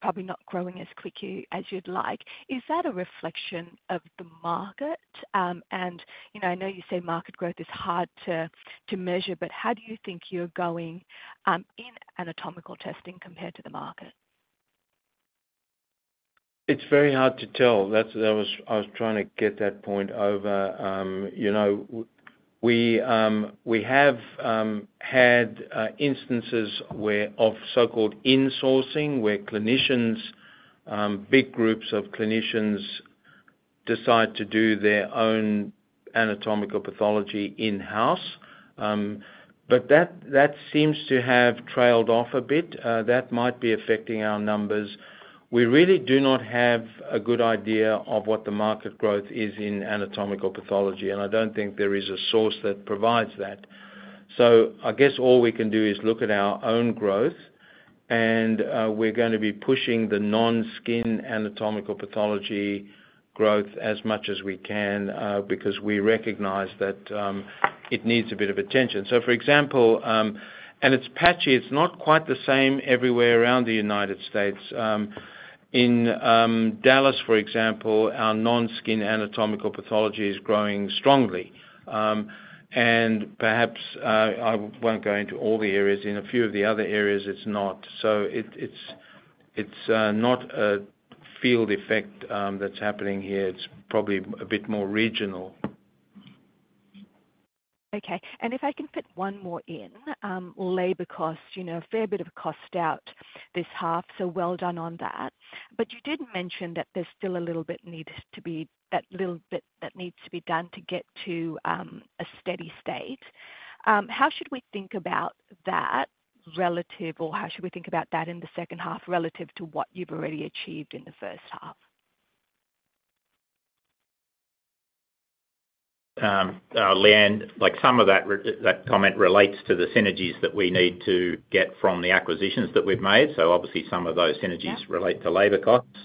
probably not growing as quickly as you'd like, is that a reflection of the market? And I know you say market growth is hard to measure, but how do you think you're going in anatomical testing compared to the market? It's very hard to tell. I was trying to get that point over. We have had instances of so-called insourcing where clinicians, big groups of clinicians, decide to do their own anatomical pathology in-house. But that seems to have trailed off a bit. That might be affecting our numbers. We really do not have a good idea of what the market growth is in anatomical pathology, and I don't think there is a source that provides that. So I guess all we can do is look at our own growth, and we're going to be pushing the non-skin anatomical pathology growth as much as we can because we recognize that it needs a bit of attention. So for example, and it's patchy. It's not quite the same everywhere around the United States. In Dallas, for example, our non-skin anatomical pathology is growing strongly. Perhaps I won't go into all the areas. In a few of the other areas, it's not. It's not a field effect that's happening here. It's probably a bit more regional. Okay. And if I can fit one more in, labor costs, a fair bit of cost out this half. So well done on that. But you did mention that there's still a little bit that needs to be done to get to a steady state. How should we think about that relative or how should we think about that in the second half relative to what you've already achieved in the first half? Lyanne, some of that comment relates to the synergies that we need to get from the acquisitions that we've made. So obviously, some of those synergies relate to labor costs.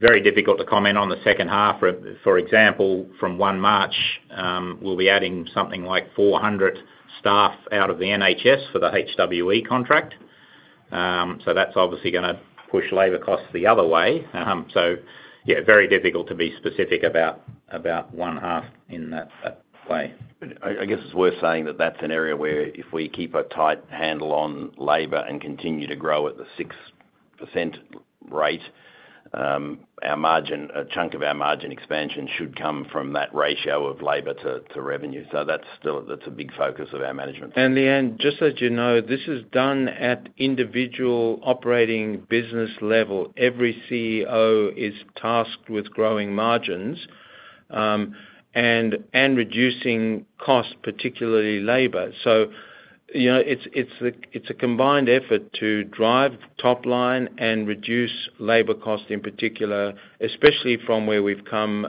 Very difficult to comment on the second half. For example, from 1 March, we'll be adding something like 400 staff out of the NHS for the HWE contract. So that's obviously going to push labor costs the other way. So yeah, very difficult to be specific about one half in that way. I guess it's worth saying that that's an area where if we keep a tight handle on labor and continue to grow at the 6% rate, a chunk of our margin expansion should come from that ratio of labor to revenue. So that's a big focus of our management. And, Lyanne, just as you know, this is done at individual operating business level. Every CEO is tasked with growing margins and reducing costs, particularly labor. So it's a combined effort to drive top line and reduce labor costs in particular, especially from where we've come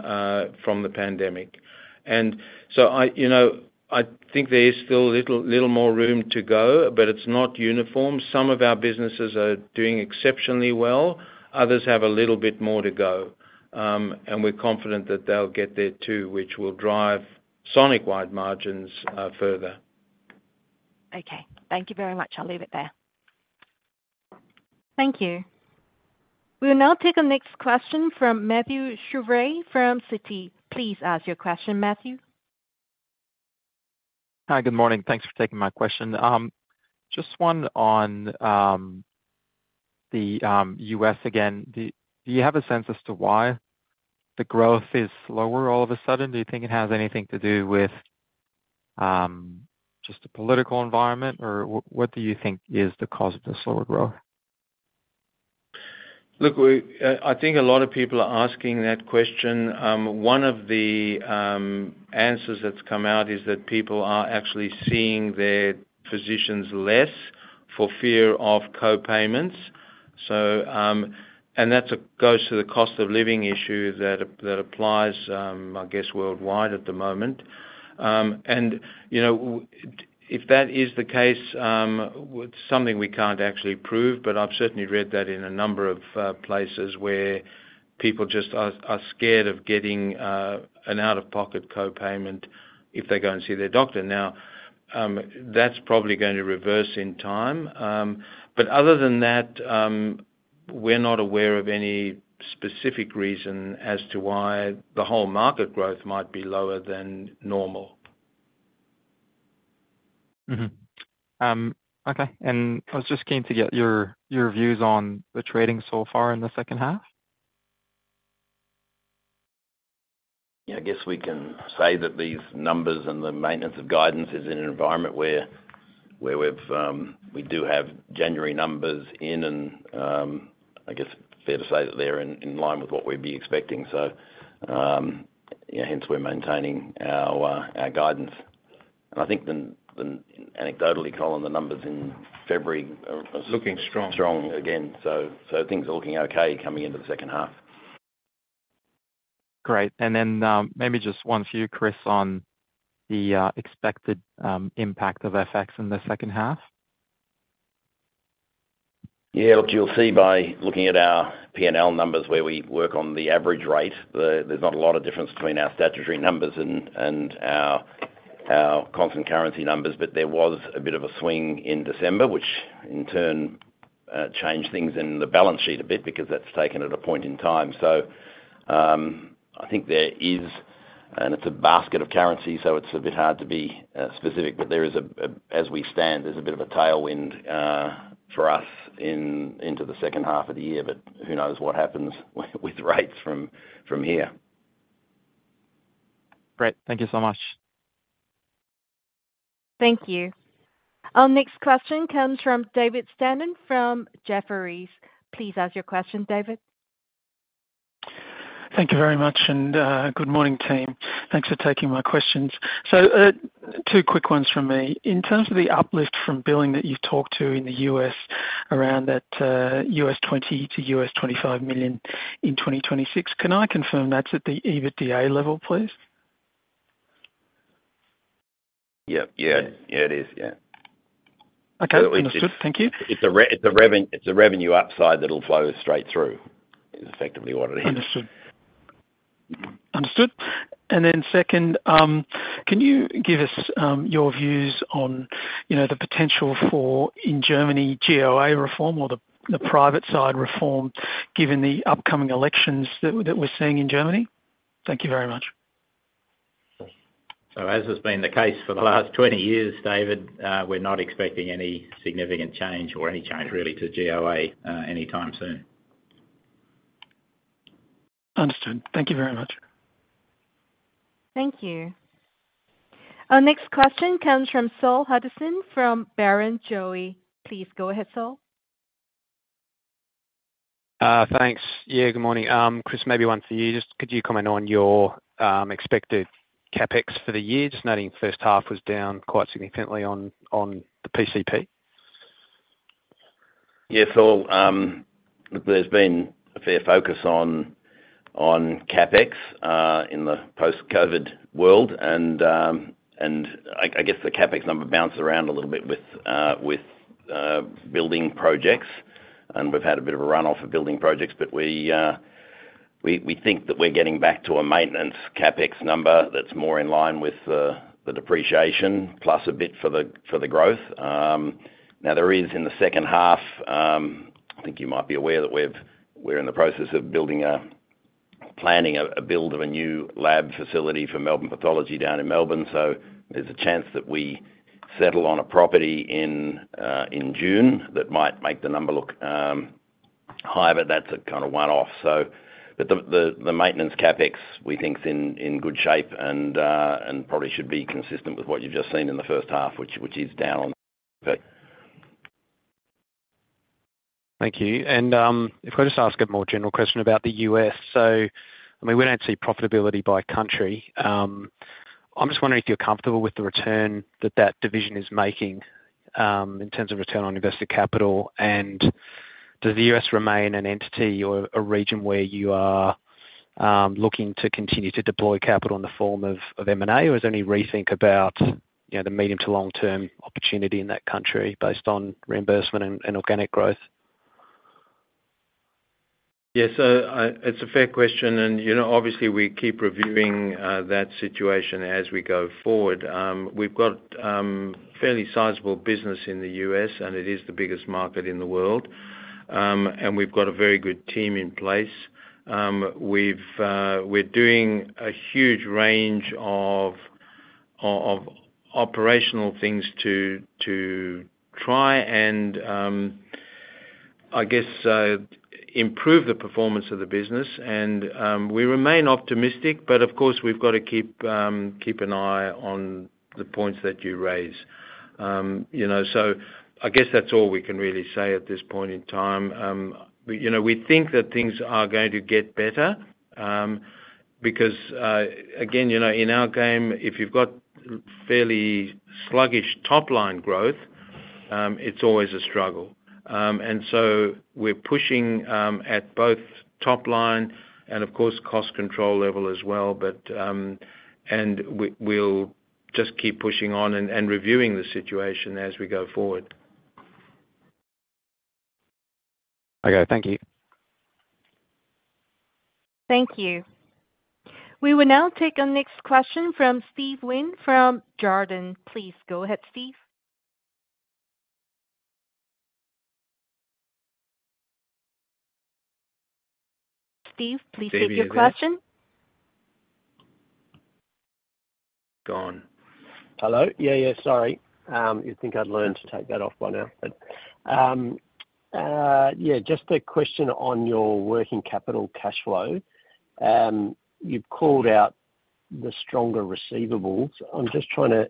from the pandemic. And so I think there is still a little more room to go, but it's not uniform. Some of our businesses are doing exceptionally well. Others have a little bit more to go. And we're confident that they'll get there too, which will drive Sonic-wide margins further. Okay. Thank you very much. I'll leave it there. Thank you. We'll now take a next question from Mathieu Chevrier from Citi. Please ask your question, Mathieu. Hi, good morning. Thanks for taking my question. Just one on the U.S. again. Do you have a sense as to why the growth is slower all of a sudden? Do you think it has anything to do with just the political environment, or what do you think is the cause of the slower growth? Look, I think a lot of people are asking that question. One of the answers that's come out is that people are actually seeing their physicians less for fear of co-payments, and that goes to the cost of living issue that applies, I guess, worldwide at the moment, and if that is the case, it's something we can't actually prove, but I've certainly read that in a number of places where people just are scared of getting an out-of-pocket co-payment if they go and see their doctor. Now, that's probably going to reverse in time, but other than that, we're not aware of any specific reason as to why the whole market growth might be lower than normal. Okay. And I was just keen to get your views on the trading so far in the second half. Yeah. I guess we can say that these numbers and the maintenance of guidance is in an environment where we do have January numbers in, and I guess it's fair to say that they're in line with what we'd be expecting. So hence, we're maintaining our guidance. And I think anecdotally, Colin, the numbers in February are looking strong again. So things are looking okay coming into the second half. Great. And then maybe just a few, Chris, on the expected impact of FX in the second half. Yeah. Look, you'll see by looking at our P&L numbers where we work on the average rate. There's not a lot of difference between our statutory numbers and our constant currency numbers, but there was a bit of a swing in December, which in turn changed things in the balance sheet a bit because that's taken at a point in time. So I think there is, and it's a basket of currency, so it's a bit hard to be specific, but there is, as we stand, there's a bit of a tailwind for us into the second half of the year. But who knows what happens with rates from here. Great. Thank you so much. Thank you. Our next question comes from David Stanton from Jefferies. Please ask your question, David. Thank you very much. And good morning, team. Thanks for taking my questions. So two quick ones from me. In terms of the uplift from billing that you've talked to in the U.S. around that $20 million-$25 million in 2026, can I confirm that's at the EBITDA level, please? Yeah. Yeah. Yeah, it is. Yeah. Okay. Understood. Thank you. It's a revenue upside that'll flow straight through. It's effectively what it is. Understood. Understood. And then second, can you give us your views on the potential for, in Germany, GOA reform or the private-side reform given the upcoming elections that we're seeing in Germany? Thank you very much. So as has been the case for the last 20 years, David, we're not expecting any significant change or any change really to GOA anytime soon. Understood. Thank you very much. Thank you. Our next question comes from Saul Hadassin from Barrenjoey. Please go ahead, Saul. Thanks. Yeah, good morning. Chris, maybe one for you. Just could you comment on your expected CapEx for the year? Just noting the first half was down quite significantly on the PCP. Yeah. So look, there's been a fair focus on CapEx in the post-COVID world. And I guess the CapEx number bounced around a little bit with building projects. And we've had a bit of a run-off of building projects, but we think that we're getting back to a maintenance CapEx number that's more in line with the depreciation, plus a bit for the growth. Now, there is, in the second half, I think you might be aware that we're in the process of planning a build of a new lab facility for Melbourne Pathology down in Melbourne. So there's a chance that we settle on a property in June that might make the number look higher, but that's a kind of one-off. But the maintenance CapEx, we think, is in good shape and probably should be consistent with what you've just seen in the first half, which is down on the CapEx. Thank you, and if I just ask a more general question about the U.S., so I mean, we don't see profitability by country. I'm just wondering if you're comfortable with the return that that division is making in terms of return on invested capital. And does the U.S. remain an entity or a region where you are looking to continue to deploy capital in the form of M&A, or is there any rethink about the medium to long-term opportunity in that country based on reimbursement and organic growth? Yeah. So it's a fair question. And obviously, we keep reviewing that situation as we go forward. We've got fairly sizable business in the U.S., and it is the biggest market in the world. And we've got a very good team in place. We're doing a huge range of operational things to try and, I guess, improve the performance of the business. And we remain optimistic, but of course, we've got to keep an eye on the points that you raise. So I guess that's all we can really say at this point in time. We think that things are going to get better because, again, in our game, if you've got fairly sluggish top-line growth, it's always a struggle. And so we're pushing at both top line and, of course, cost control level as well. And we'll just keep pushing on and reviewing the situation as we go forward. Okay. Thank you. Thank you. We will now take our next question from Steve Wheen from Jarden. Please go ahead, Steve. Steve, please take your question. Gone. Hello. Yeah, yeah. Sorry. You'd think I'd learned to take that off by now. But yeah, just a question on your working capital cash flow. You've called out the stronger receivables. I'm just trying to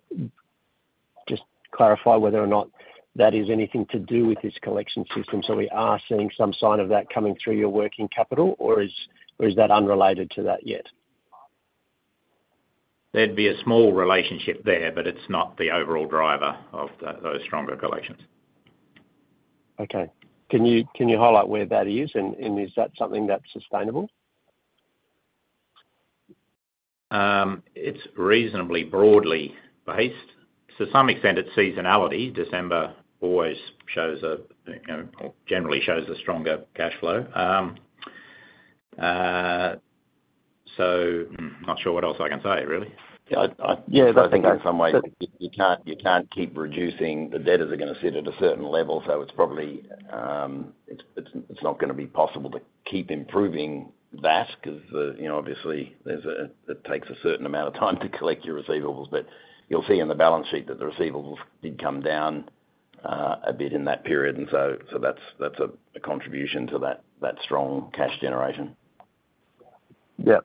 clarify whether or not that is anything to do with this collection system. So we are seeing some sign of that coming through your working capital, or is that unrelated to that yet? There'd be a small relationship there, but it's not the overall driver of those stronger collections. Okay. Can you highlight where that is, and is that something that's sustainable? It's reasonably broadly based. To some extent, it's seasonality. December always generally shows a stronger cash flow. So I'm not sure what else I can say, really. Yeah. I think in some ways, you can't keep reducing the debtors are going to sit at a certain level. So it's not going to be possible to keep improving that because, obviously, it takes a certain amount of time to collect your receivables. But you'll see in the balance sheet that the receivables did come down a bit in that period. And so that's a contribution to that strong cash generation. Yeah.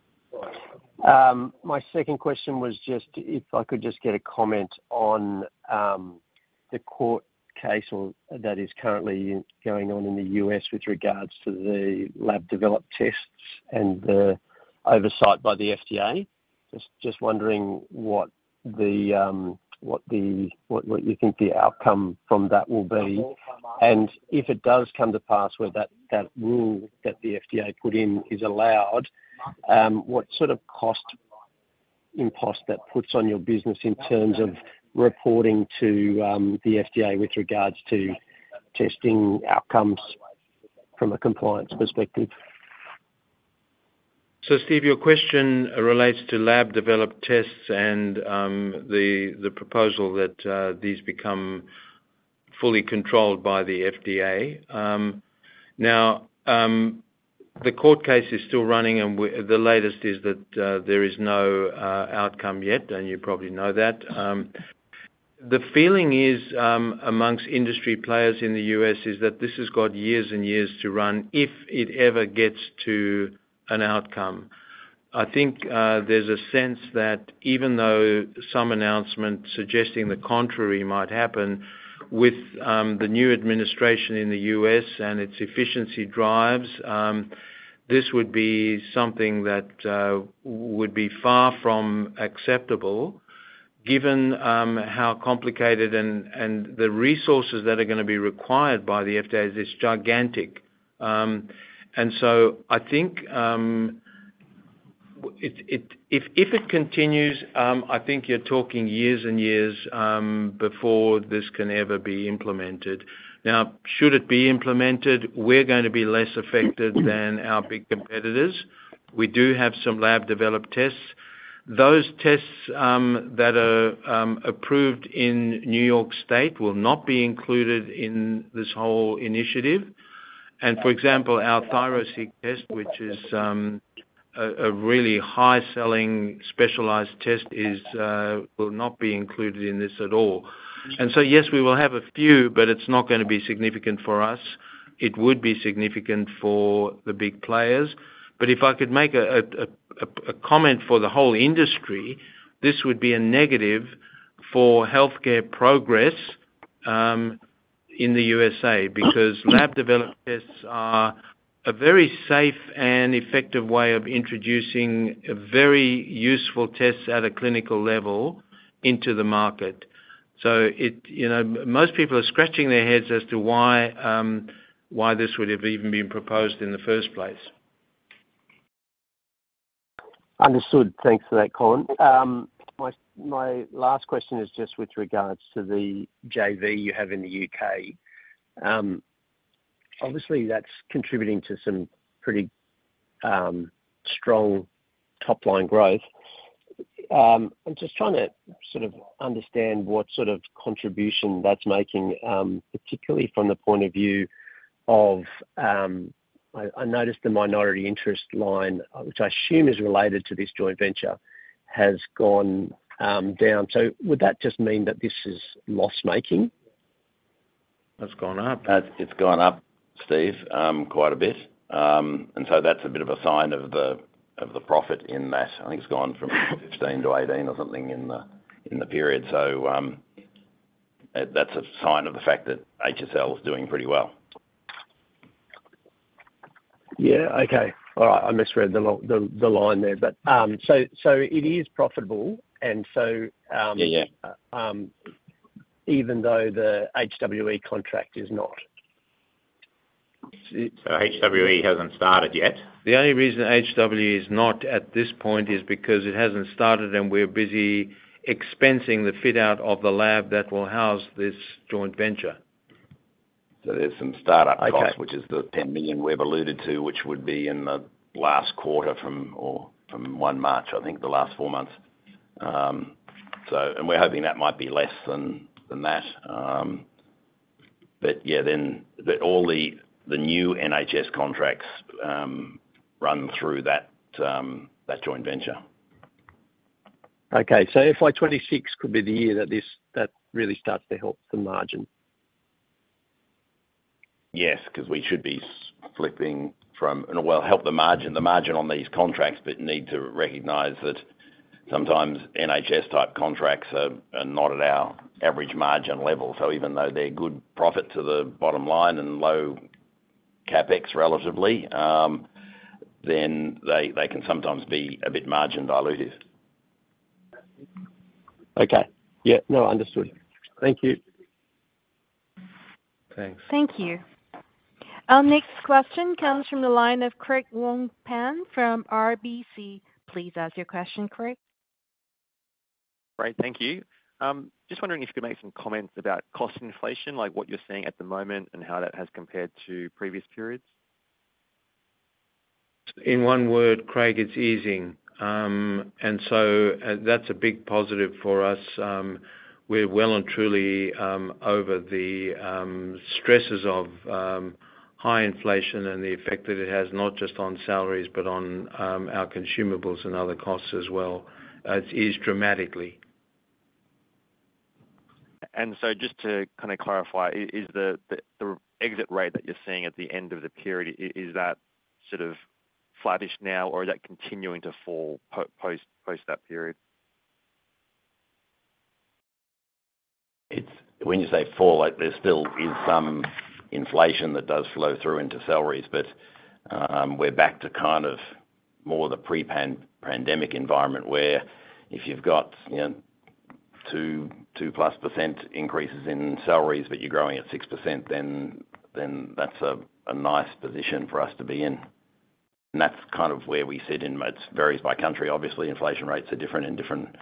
My second question was just if I could just get a comment on the court case that is currently going on in the U.S. with regards to the lab developed tests and the oversight by the FDA. Just wondering what you think the outcome from that will be. And if it does come to pass where that rule that the FDA put in is allowed, what sort of cost impact that puts on your business in terms of reporting to the FDA with regards to testing outcomes from a compliance perspective? So Steve, your question relates to lab developed tests and the proposal that these become fully controlled by the FDA. Now, the court case is still running, and the latest is that there is no outcome yet, and you probably know that. The feeling amongst industry players in the U.S. is that this has got years and years to run if it ever gets to an outcome. I think there's a sense that even though some announcement suggesting the contrary might happen with the new administration in the U.S. and its efficiency drives, this would be something that would be far from acceptable given how complicated and the resources that are going to be required by the FDA is gigantic. And so I think if it continues, I think you're talking years and years before this can ever be implemented. Now, should it be implemented, we're going to be less affected than our big competitors. We do have some lab developed tests. Those tests that are approved in New York State will not be included in this whole initiative, and for example, our ThyroSeq test, which is a really high-selling specialized test, will not be included in this at all, and so yes, we will have a few, but it's not going to be significant for us. It would be significant for the big players, but if I could make a comment for the whole industry, this would be a negative for healthcare progress in the USA because lab developed tests are a very safe and effective way of introducing very useful tests at a clinical level into the market, so most people are scratching their heads as to why this would have even been proposed in the first place. Understood. Thanks for that, Colin. My last question is just with regards to the JV you have in the U.K. Obviously, that's contributing to some pretty strong top-line growth. I'm just trying to sort of understand what sort of contribution that's making, particularly from the point of view of I noticed the minority interest line, which I assume is related to this joint venture, has gone down. So would that just mean that this is loss-making? It's gone up. It's gone up, Steve, quite a bit, and so that's a bit of a sign of the profit in that. I think it's gone from 15 to 18 or something in the period, so that's a sign of the fact that HSL is doing pretty well. Yeah. Okay. All right. I misread the line there. So it is profitable. And so even though the HWE contract is not. HWE hasn't started yet. The only reason HWE is not at this point is because it hasn't started, and we're busy expensing the fit-out of the lab that will house this joint venture. There's some startup cost, which is the 10 million we've alluded to, which would be in the last quarter from 1 March, I think, the last four months. We're hoping that might be less than that. Yeah, then all the new NHS contracts run through that joint venture. Okay, so FY 2026 could be the year that really starts to help the margin. Yes, because we should be flipping from, well, help the margin on these contracts, but need to recognize that sometimes NHS-type contracts are not at our average margin level. So even though they're good profit to the bottom line and low CapEx relatively, then they can sometimes be a bit margin diluted. Okay. Yeah. No, understood. Thank you. Thanks. Thank you. Our next question comes from the line of Craig Wong-Pan from RBC. Please ask your question, Craig. Great. Thank you. Just wondering if you could make some comments about cost inflation, like what you're seeing at the moment and how that has compared to previous periods. In one word, Craig, it's easing. And so that's a big positive for us. We're well and truly over the stresses of high inflation and the effect that it has not just on salaries, but on our consumables and other costs as well. It's eased dramatically. Just to kind of clarify, is the exit rate that you're seeing at the end of the period sort of flattish now, or is that continuing to fall post that period? When you say fall, there still is some inflation that does flow through into salaries. But we're back to kind of more the pre-pandemic environment where if you've got 2-plus% increases in salaries, but you're growing at 6%, then that's a nice position for us to be in. And that's kind of where we sit in. It varies by country, obviously. Inflation rates are different in different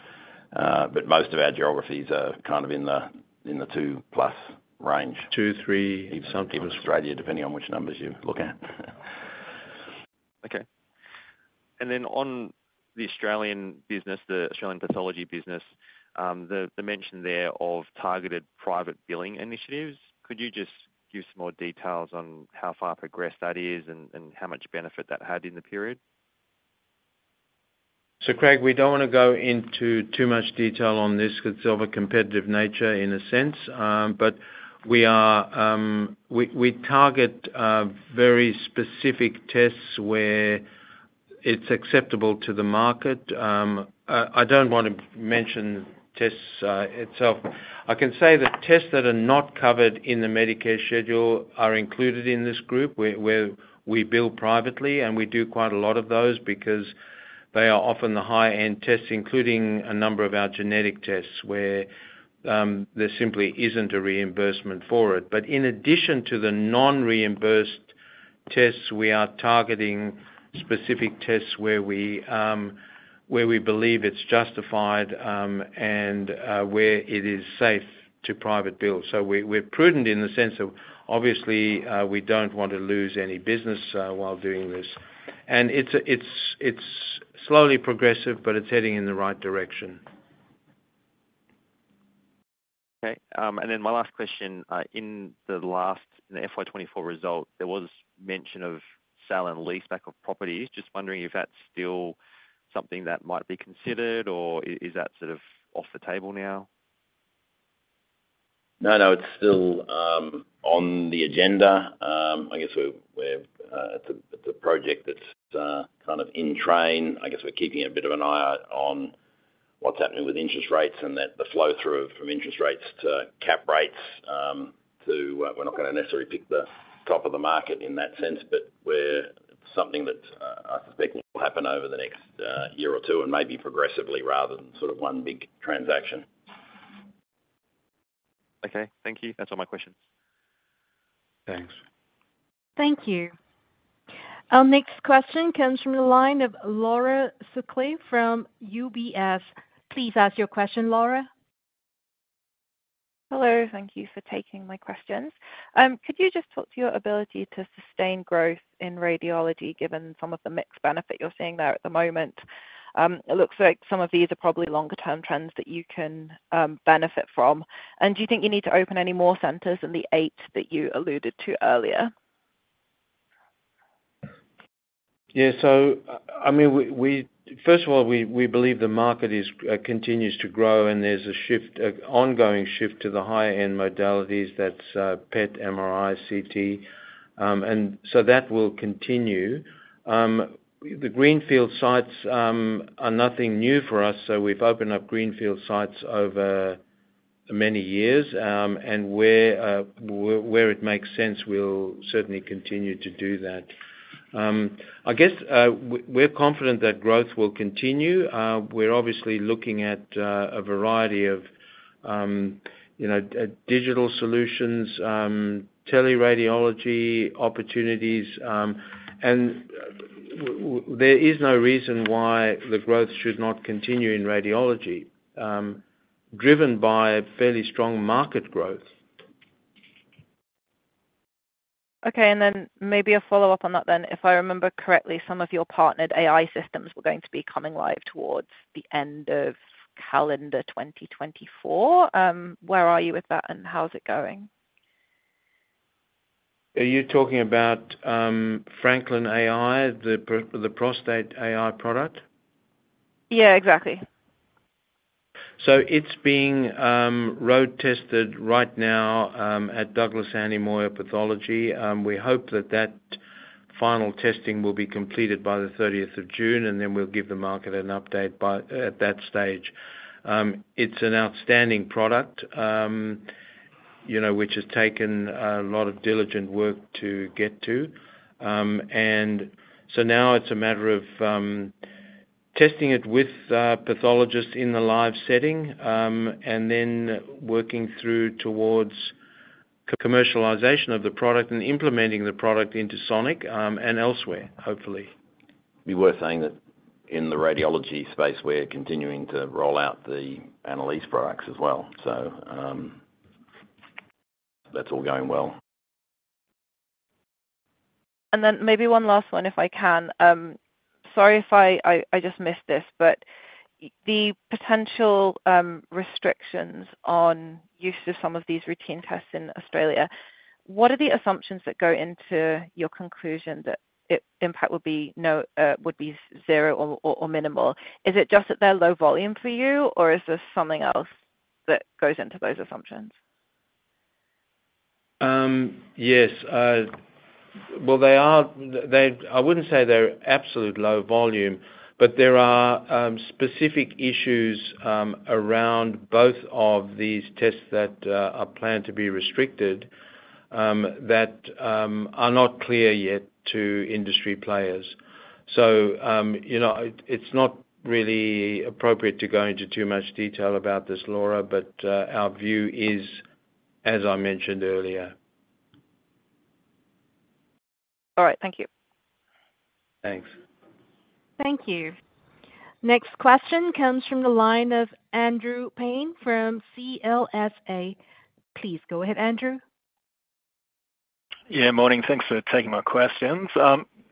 but most of our geographies are kind of in the 2-plus range. 2, 3, sometimes Australia, depending on which numbers you look at. Okay. And then on the Australian business, the Australian pathology business, the mention there of targeted private billing initiatives, could you just give some more details on how far progressed that is and how much benefit that had in the period? So Craig, we don't want to go into too much detail on this because it's of a competitive nature in a sense. But we target very specific tests where it's acceptable to the market. I don't want to mention tests itself. I can say that tests that are not covered in the Medicare schedule are included in this group where we bill privately, and we do quite a lot of those because they are often the high-end tests, including a number of our genetic tests where there simply isn't a reimbursement for it. But in addition to the non-reimbursed tests, we are targeting specific tests where we believe it's justified and where it is safe to private bill. So we're prudent in the sense of, obviously, we don't want to lose any business while doing this. And it's slowly progressive, but it's heading in the right direction. Okay. And then my last question. In the FY 2024 result, there was mention of sale and lease back of properties. Just wondering if that's still something that might be considered, or is that sort of off the table now? No, no. It's still on the agenda. I guess it's a project that's kind of in train. I guess we're keeping a bit of an eye on what's happening with interest rates and the flow-through from interest rates to cap rates to we're not going to necessarily pick the top of the market in that sense, but something that I suspect will happen over the next year or two and maybe progressively rather than sort of one big transaction. Okay. Thank you. That's all my questions. Thanks. Thank you. Our next question comes from the line of Laura Sutcliffe from UBS. Please ask your question, Laura. Hello. Thank you for taking my questions. Could you just talk to your ability to sustain growth in radiology given some of the mixed benefit you're seeing there at the moment? It looks like some of these are probably longer-term trends that you can benefit from. And do you think you need to open any more centers than the eight that you alluded to earlier? Yeah, so I mean, first of all, we believe the market continues to grow, and there's an ongoing shift to the higher-end modalities. That's PET, MRI, CT, and so that will continue. The greenfield sites are nothing new for us, so we've opened up greenfield sites over many years, and where it makes sense, we'll certainly continue to do that. I guess we're confident that growth will continue. We're obviously looking at a variety of digital solutions, tele-radiology opportunities, and there is no reason why the growth should not continue in radiology, driven by fairly strong market growth. Okay. And then maybe a follow-up on that then. If I remember correctly, some of your partnered AI systems were going to be coming live towards the end of calendar 2024. Where are you with that, and how's it going? Are you talking about Franklin.ai, the prostate AI product? Yeah, exactly. It's being road-tested right now at Douglas Hanly Moir Pathology. We hope that that final testing will be completed by the 30th of June, and then we'll give the market an update at that stage. It's an outstanding product, which has taken a lot of diligent work to get to. And so now it's a matter of testing it with pathologists in the live setting and then working through towards commercialization of the product and implementing the product into Sonic and elsewhere, hopefully. It'd be worth saying that in the radiology space, we're continuing to roll out the analysis products as well. So that's all going well. Then maybe one last one, if I can. Sorry if I just missed this, but the potential restrictions on use of some of these routine tests in Australia, what are the assumptions that go into your conclusion that impact would be zero or minimal? Is it just that they're low volume for you, or is there something else that goes into those assumptions? Yes. Well, I wouldn't say they're absolute low volume, but there are specific issues around both of these tests that are planned to be restricted that are not clear yet to industry players. So it's not really appropriate to go into too much detail about this, Laura, but our view is, as I mentioned earlier. All right. Thank you. Thanks. Thank you. Next question comes from the line of Andrew Paine from CLSA. Please go ahead, Andrew. Yeah. Morning. Thanks for taking my questions.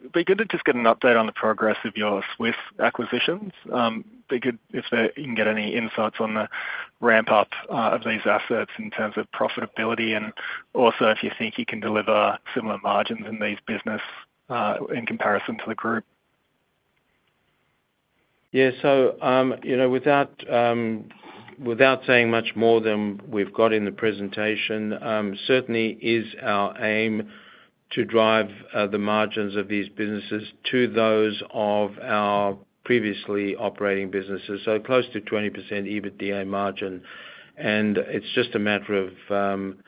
It'd be good to just get an update on the progress of your Swiss acquisitions. It'd be good if you can get any insights on the ramp-up of these assets in terms of profitability and also if you think you can deliver similar margins in these businesses in comparison to the group. Yeah. So without saying much more than we've got in the presentation, it certainly is our aim to drive the margins of these businesses to those of our previously operating businesses, so close to 20% EBITDA margin. And it's just a matter of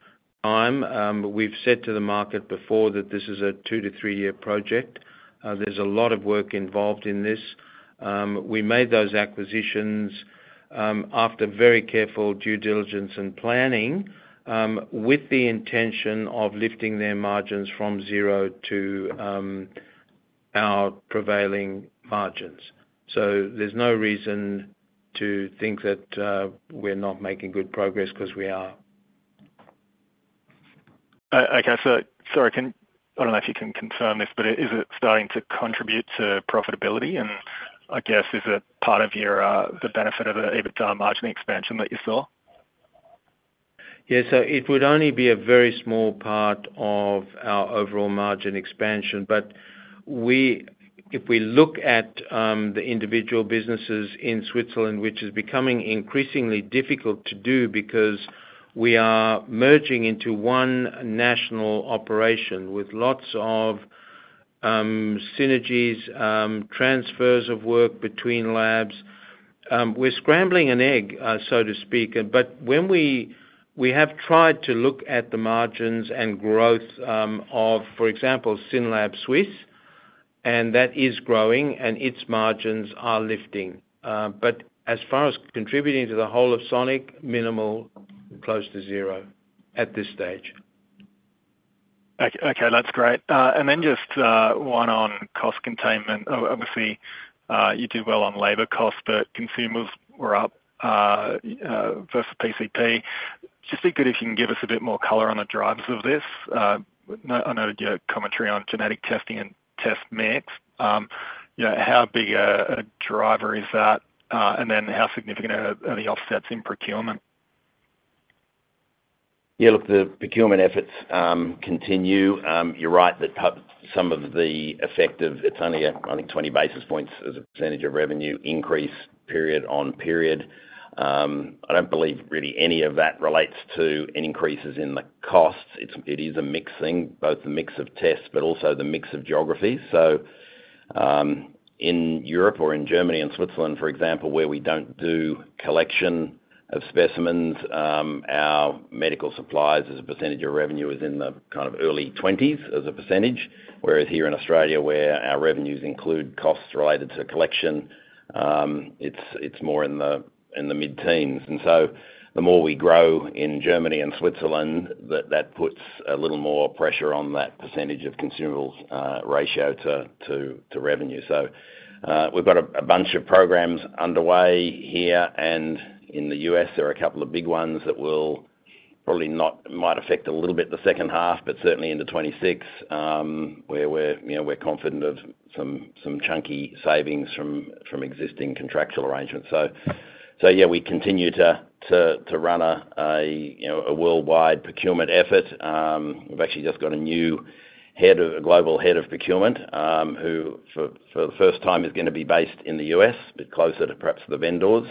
time. We've said to the market before that this is a two- to three-year project. There's a lot of work involved in this. We made those acquisitions after very careful due diligence and planning with the intention of lifting their margins from zero to our prevailing margins. So there's no reason to think that we're not making good progress because we are. Okay. So I don't know if you can confirm this, but is it starting to contribute to profitability? And I guess is it part of the benefit of the EBITDA margin expansion that you saw? Yeah, so it would only be a very small part of our overall margin expansion, but if we look at the individual businesses in Switzerland, which is becoming increasingly difficult to do because we are merging into one national operation with lots of synergies, transfers of work between labs, we're scrambling an egg, so to speak. But we have tried to look at the margins and growth of, for example, Synlab Suisse, and that is growing, and its margins are lifting, but as far as contributing to the whole of Sonic, minimal, close to zero at this stage. Okay. That's great. And then just one on cost containment. Obviously, you did well on labor costs, but consumables were up versus PCP. Just be good if you can give us a bit more color on the drivers of this. I noted your commentary on genetic testing and test mix. How big a driver is that, and then how significant are the offsets in procurement? Yeah. Look, the procurement efforts continue. You're right that some of the effect of it's only, I think, 20 basis points as a percentage of revenue increase period on period. I don't believe really any of that relates to increases in the costs. It is a mixing, both the mix of tests, but also the mix of geographies. So in Europe or in Germany and Switzerland, for example, where we don't do collection of specimens, our medical supplies as a percentage of revenue is in the kind of early 20s as a percentage. Whereas here in Australia, where our revenues include costs related to collection, it's more in the mid-teens. And so the more we grow in Germany and Switzerland, that puts a little more pressure on that percentage of consumables ratio to revenue. So we've got a bunch of programs underway here. In the U.S., there are a couple of big ones that will probably might affect a little bit the second half, but certainly in the 26th, where we're confident of some chunky savings from existing contractual arrangements. So yeah, we continue to run a worldwide procurement effort. We've actually just got a new global head of procurement who, for the first time, is going to be based in the U.S., but closer to perhaps the vendors.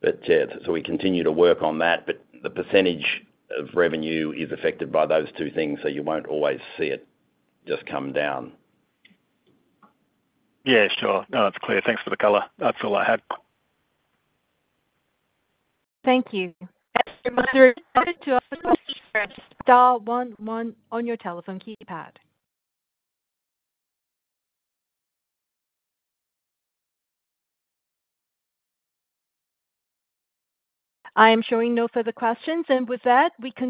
But yeah, so we continue to work on that. But the percentage of revenue is affected by those two things, so you won't always see it just come down. Yeah. Sure. No, that's clear. Thanks for the color. That's all I had. Thank you. As a reminder, to ask for a star one-one on your telephone keypad. I am showing no further questions. And with that, we can.